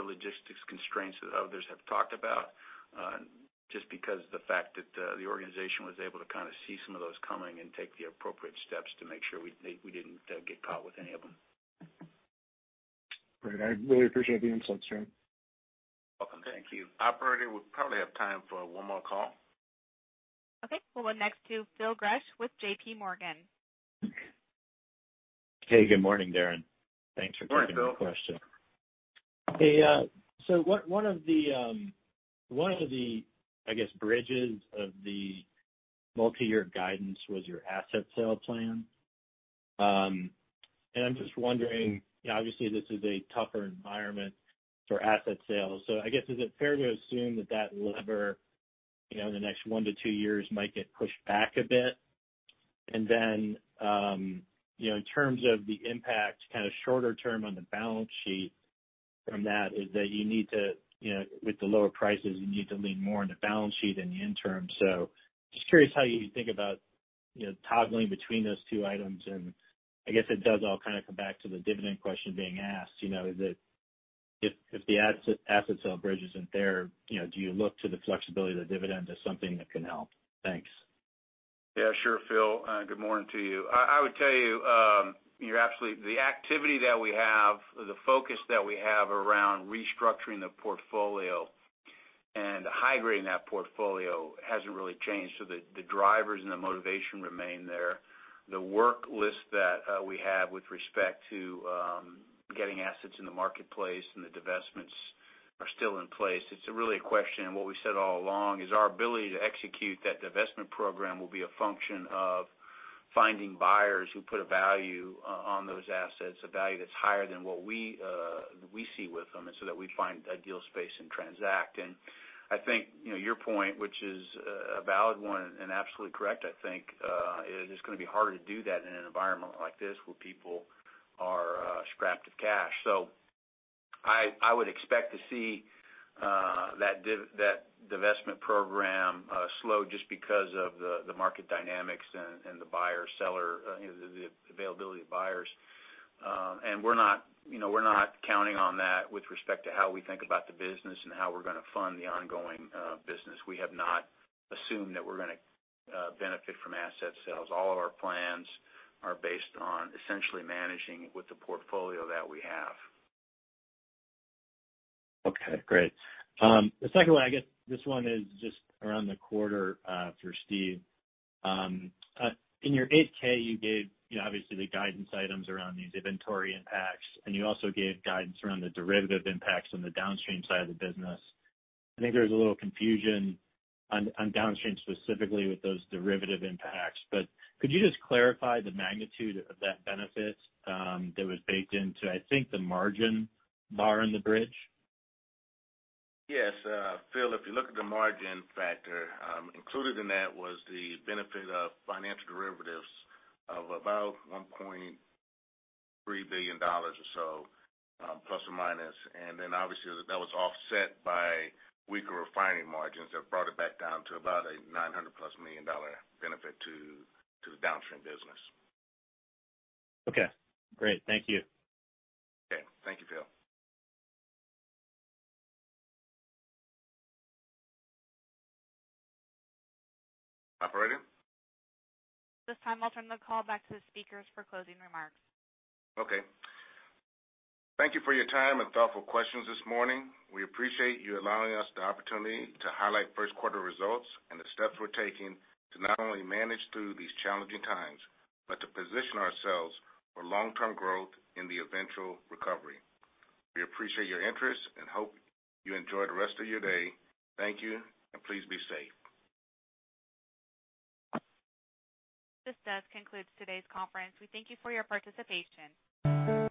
logistics constraints that others have talked about, just because of the fact that the organization was able to kind of see some of those coming and take the appropriate steps to make sure we didn't get caught with any of them. Great. I really appreciate the insights, Darren. Welcome. Thank you. Operator, we probably have time for one more call. Okay. We'll go next to Phil Gresh with JPMorgan. Hey, good morning, Darren. Thanks for taking the question. Morning, Phil. Okay. One of the, I guess, bridges of the multi-year guidance was your asset sale plan. I'm just wondering, obviously, this is a tougher environment for asset sales. I guess, is it fair to assume that that lever in the next one to two years might get pushed back a bit? In terms of the impact kind of shorter term on the balance sheet from that is that you need to, with the lower prices, you need to lean more on the balance sheet in the interim. Just curious how you think about toggling between those two items. I guess it does all kind of come back to the dividend question being asked. If the asset sale bridge isn't there, do you look to the flexibility of the dividend as something that can help? Thanks. Yeah, sure, Phil. Good morning to you. I would tell you, the activity that we have, the focus that we have around restructuring the portfolio and high-grading that portfolio hasn't really changed. The drivers and the motivation remain there. The work list that we have with respect to getting assets in the marketplace and the divestments are still in place. It's really a question of what we said all along, is our ability to execute that divestment program will be a function of finding buyers who put a value on those assets, a value that's higher than what we see with them, and so that we find ideal space and transact. I think your point, which is a valid one, and absolutely correct, I think, is it's going to be harder to do that in an environment like this where people are strapped of cash. I would expect to see that divestment program slow just because of the market dynamics and the availability of buyers. We're not counting on that with respect to how we think about the business and how we're going to fund the ongoing business. We have not assumed that we're going to benefit from asset sales. All of our plans are based on essentially managing with the portfolio that we have. Okay. Great. The second one, I guess this one is just around the quarter for Stephen. In your 8-K, you gave obviously the guidance items around the inventory impacts, you also gave guidance around the derivative impacts on the downstream side of the business. I think there was a little confusion on downstream specifically with those derivative impacts. Could you just clarify the magnitude of that benefit that was baked into, I think, the margin bar in the bridge? Yes. Phil, if you look at the margin factor, included in that was the benefit of financial derivatives of about $1.3 billion or so, plus or minus. Obviously, that was offset by weaker refining margins that brought it back down to about a $900+ million benefit to the downstream business. Okay. Great. Thank you. Okay. Thank you, Phil. Operator? This time, I'll turn the call back to the speakers for closing remarks. Okay. Thank you for your time and thoughtful questions this morning. We appreciate you allowing us the opportunity to highlight first quarter results and the steps we're taking to not only manage through these challenging times, but to position ourselves for long-term growth in the eventual recovery. We appreciate your interest and hope you enjoy the rest of your day. Thank you. Please be safe. This does conclude today's conference. We thank you for your participation.